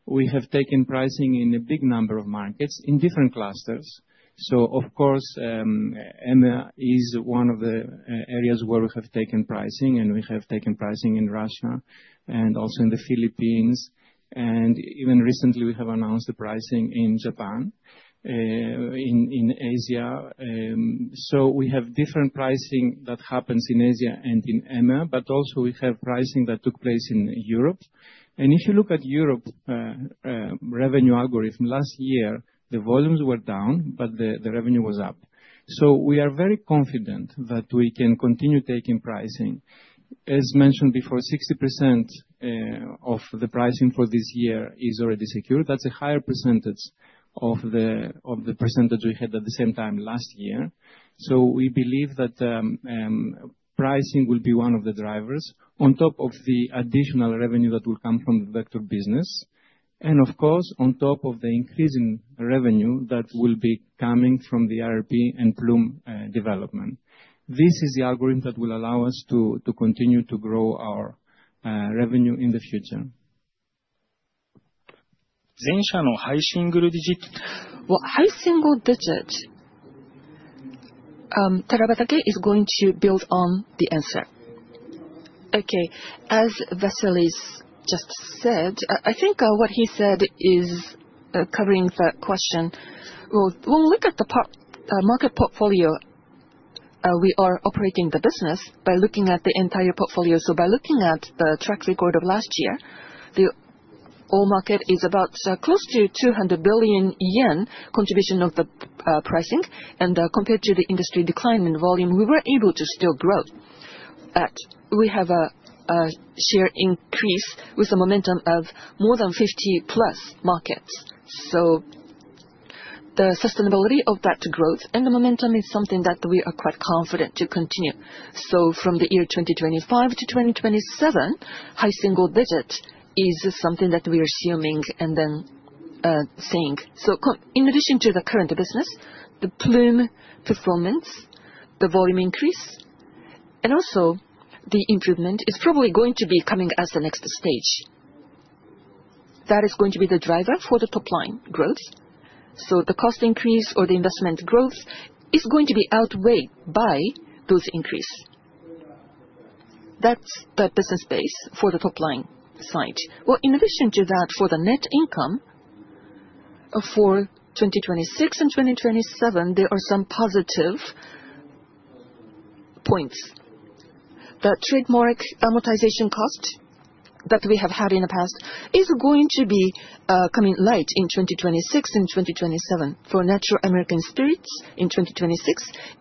we have taken pricing in a big number of markets in different clusters. So, of course, EMA is one of the areas where we have taken pricing, and we have taken pricing in Russia and also in the Philippines. And even recently, we have announced the pricing in Japan, in Asia. So, we have different pricing that happens in Asia and in EMA, but also we have pricing that took place in Europe. And if you look at Europe's revenue algorithm, last year, the volumes were down, but the revenue was up. So, we are very confident that we can continue taking pricing. As mentioned before, 60% of the pricing for this year is already secured. That's a higher percentage of the percentage we had at the same time last year. So, we believe that pricing will be one of the drivers on top of the additional revenue that will come from the Vector business. And, of course, on top of the increasing revenue that will be coming from the RRP and Ploom development. This is the algorithm that will allow us to continue to grow our revenue in the future. High single digit, Terabatake is going to build on the answer. Okay. As Vassilis just said, I think what he said is covering the question. When we look at the market portfolio, we are operating the business by looking at the entire portfolio. By looking at the track record of last year, the overall market is about close to 200 billion yen contribution of the pricing. Compared to the industry decline in volume, we were able to still grow at. We have a share increase with a momentum of more than 50-plus markets. The sustainability of that growth and the momentum is something that we are quite confident to continue. From the year 2025 to 2027, high single digit is something that we are assuming and then saying. In addition to the current business, the Ploom performance, the volume increase, and also the improvement is probably going to be coming as the next stage. That is going to be the driver for the top line growth. The cost increase or the investment growth is going to be outweighed by those increases. That's the business base for the top line side. Well, in addition to that, for the net income for 2026 and 2027, there are some positive points. The trademark amortization cost that we have had in the past is going to be coming light in 2026 and 2027 for Natural American Spirit in 2026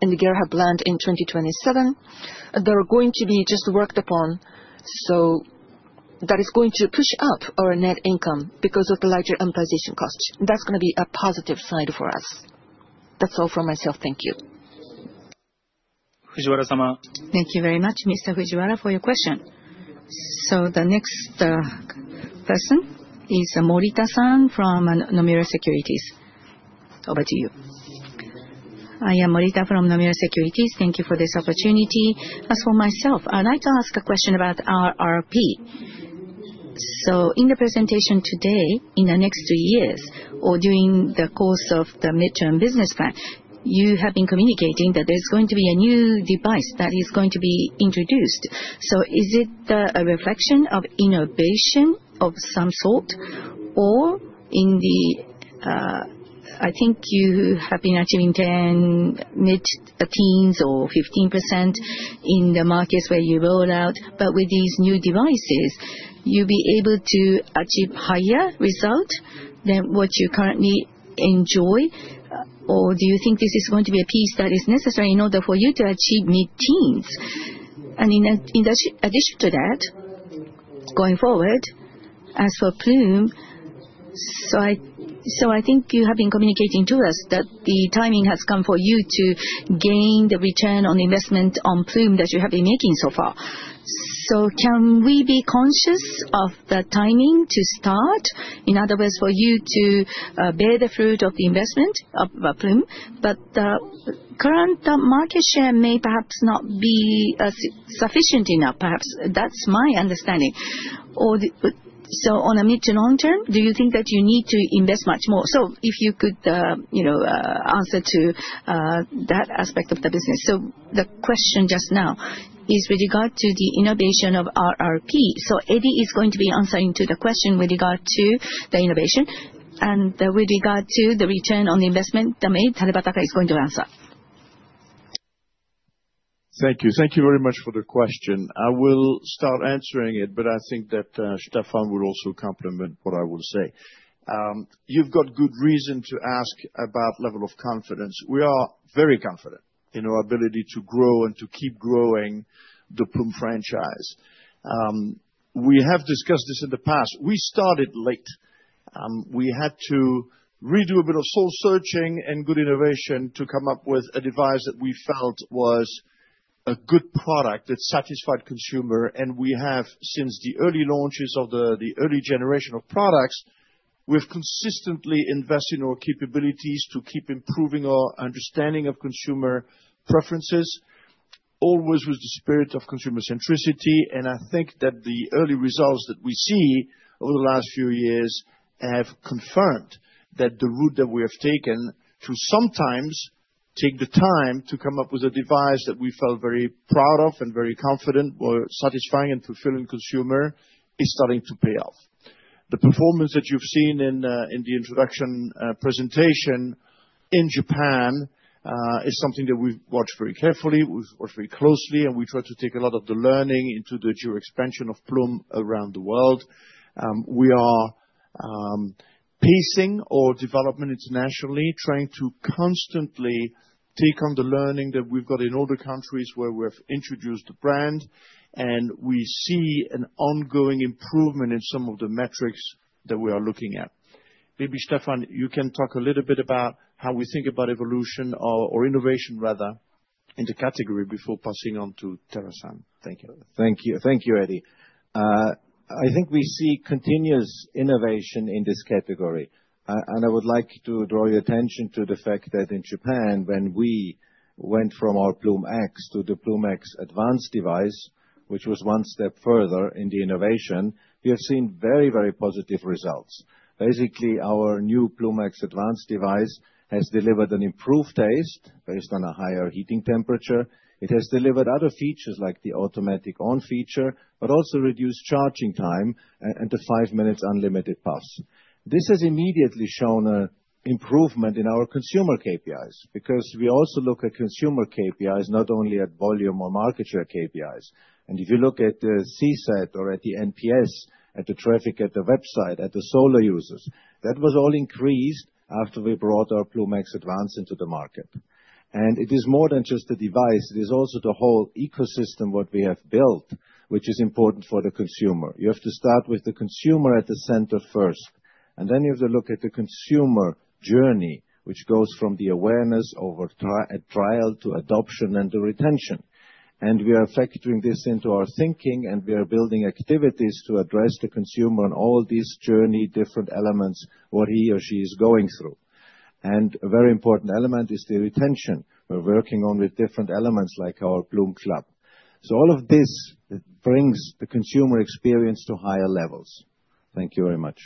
and the Gallaher brands in 2027. They're going to be just worked upon. So, that is going to push up our net income because of the lighter amortization cost. That's going to be a positive side for us. That's all from myself. Thank you. Thank you very much, Mr. Fujiwara, for your question. So, the next person is Morita-san from Nomura Securities. Over to you. I am Morita from Nomura Securities. Thank you for this opportunity. As for myself, I'd like to ask a question about RRP. In the presentation today, in the next two years, or during the course of the midterm business plan, you have been communicating that there's going to be a new device that is going to be introduced. Is it a reflection of innovation of some sort, or in the, I think you have been achieving 10%, mid-teens or 15% in the markets where you roll out, but with these new devices, you'll be able to achieve higher results than what you currently enjoy? Or do you think this is going to be a piece that is necessary in order for you to achieve mid-teens? In addition to that, going forward, as for Ploom, I think you have been communicating to us that the timing has come for you to gain the return on investment on Ploom that you have been making so far. Can we be conscious of the timing to start? In other words, for you to bear the fruit of the investment of Ploom, but the current market share may perhaps not be sufficient enough. Perhaps that's my understanding. On a mid to long term, do you think that you need to invest much more? If you could answer to that aspect of the business. The question just now is with regard to the innovation of RRP. Eddy is going to be answering to the question with regard to the innovation and with regard to the return on the investment. Masamichi Terabatake is going to answer. Thank you. Thank you very much for the question. I will start answering it, but I think that Stefan will also complement what I will say. You've got good reason to ask about level of confidence. We are very confident in our ability to grow and to keep growing the Ploom franchise. We have discussed this in the past. We started late. We had to redo a bit of soul searching and good innovation to come up with a device that we felt was a good product that satisfied consumer. And we have, since the early launches of the early generation of products, we've consistently invested in our capabilities to keep improving our understanding of consumer preferences, always with the spirit of consumer centricity. And I think that the early results that we see over the last few years have confirmed that the route that we have taken to sometimes take the time to come up with a device that we felt very proud of and very confident were satisfying and fulfilling consumer is starting to pay off. The performance that you've seen in the introduction presentation in Japan is something that we've watched very carefully. We've watched very closely, and we try to take a lot of the learning into the geo-expansion of Ploom around the world. We are pacing our development internationally, trying to constantly take on the learning that we've got in all the countries where we've introduced the brand, and we see an ongoing improvement in some of the metrics that we are looking at. Maybe Stefan, you can talk a little bit about how we think about evolution or innovation, rather, in the category before passing on to Terabatake. Thank you. Thank you. Thank you, Eddy. I think we see continuous innovation in this category. I would like to draw your attention to the fact that in Japan, when we went from our Ploom X to the Ploom X Advanced device, which was one step further in the innovation, we have seen very, very positive results. Basically, our new Ploom X Advanced device has delivered an improved taste based on a higher heating temperature. It has delivered other features like the automatic on feature, but also reduced charging time and the five minutes unlimited pass. This has immediately shown an improvement in our consumer KPIs because we also look at consumer KPIs, not only at volume or market share KPIs. And if you look at the CSAT or at the NPS, at the traffic, at the website, at the loyal users, that was all increased after we brought our Ploom X Advanced into the market. And it is more than just a device. It is also the whole ecosystem what we have built, which is important for the consumer. You have to start with the consumer at the center first, and then you have to look at the consumer journey, which goes from the awareness over trial to adoption and the retention. And we are factoring this into our thinking, and we are building activities to address the consumer on all these journey different elements, what he or she is going through. And a very important element is the retention. We're working on with different elements like our Ploom Club. So, all of this brings the consumer experience to higher levels. Thank you very much.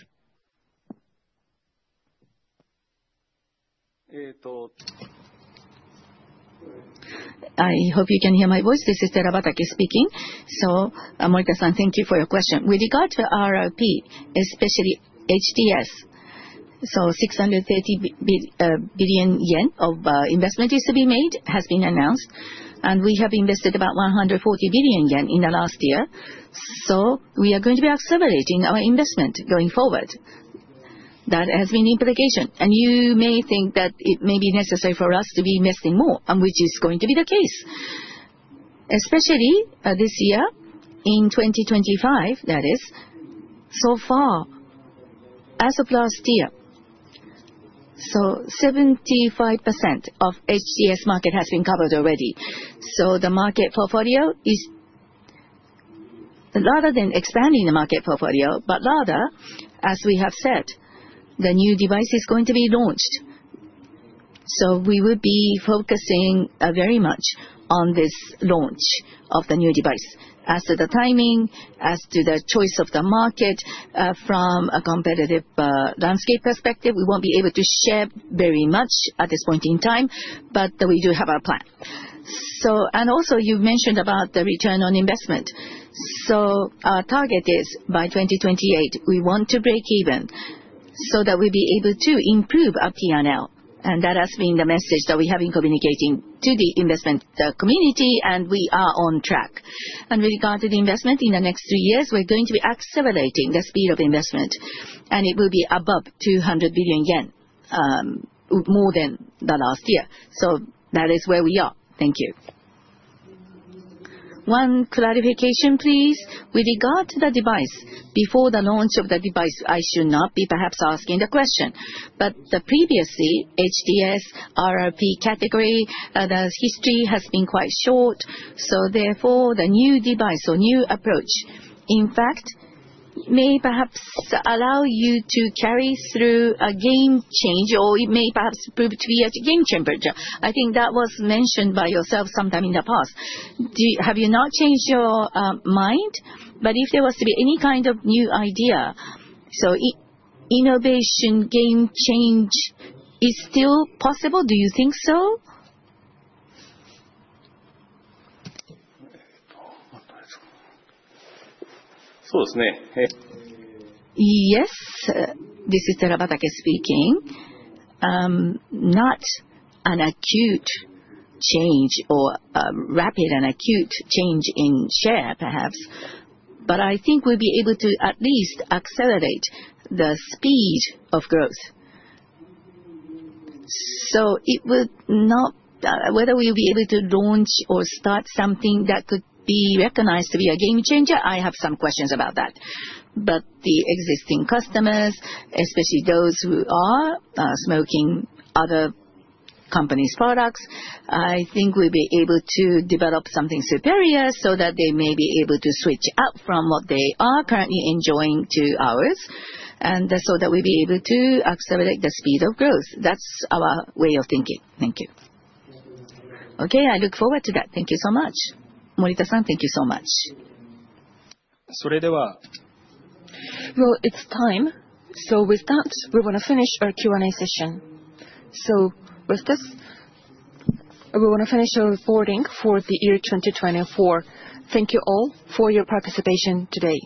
I hope you can hear my voice. This is Terabatake speaking. So, Morita, thank you for your question. With regard to RRP, especially HTS, JPY 630 billion of investment is to be made, has been announced, and we have invested about 140 billion yen in the last year. We are going to be accelerating our investment going forward. That has been the implication. You may think that it may be necessary for us to be investing more, which is going to be the case, especially this year in 2025. That is, so far as of last year, 75% of HTS market has been covered already. The market portfolio is rather than expanding the market portfolio, but rather, as we have said, the new device is going to be launched. We would be focusing very much on this launch of the new device. As to the timing, as to the choice of the market from a competitive landscape perspective, we won't be able to share very much at this point in time, but we do have our plan. You mentioned about the return on investment. Our target is by 2028, we want to break even so that we'll be able to improve our P&L. That has been the message that we have been communicating to the investment community, and we are on track. With regard to the investment in the next three years, we're going to be accelerating the speed of investment, and it will be above 200 billion, more than the last year. That is where we are. Thank you. One clarification, please. With regard to the device, before the launch of the device, I should not be perhaps asking the question, but the previously HTS RRP category, the history has been quite short. So, therefore, the new device or new approach, in fact, may perhaps allow you to carry through a game change, or it may perhaps prove to be a game changer. I think that was mentioned by yourself sometime in the past. Have you not changed your mind? But if there was to be any kind of new idea, so innovation game change is still possible. Do you think so? Yes, this is Terabatake speaking. Not an acute change or a rapid and acute change in share, perhaps, but I think we'll be able to at least accelerate the speed of growth. I doubt whether we'll be able to launch or start something that could be recognized to be a game changer. I have some questions about that. But the existing customers, especially those who are smoking other companies' products, I think we'll be able to develop something superior so that they may be able to switch out from what they are currently enjoying to ours, and so that we'll be able to accelerate the speed of growth. That's our way of thinking. Thank you. Okay, I look forward to that. Thank you so much. Morita-san, thank you so much. It's time. With that, we want to finish our Q&A session. With this, we want to finish our recording for the year 2024. Thank you all for your participation today.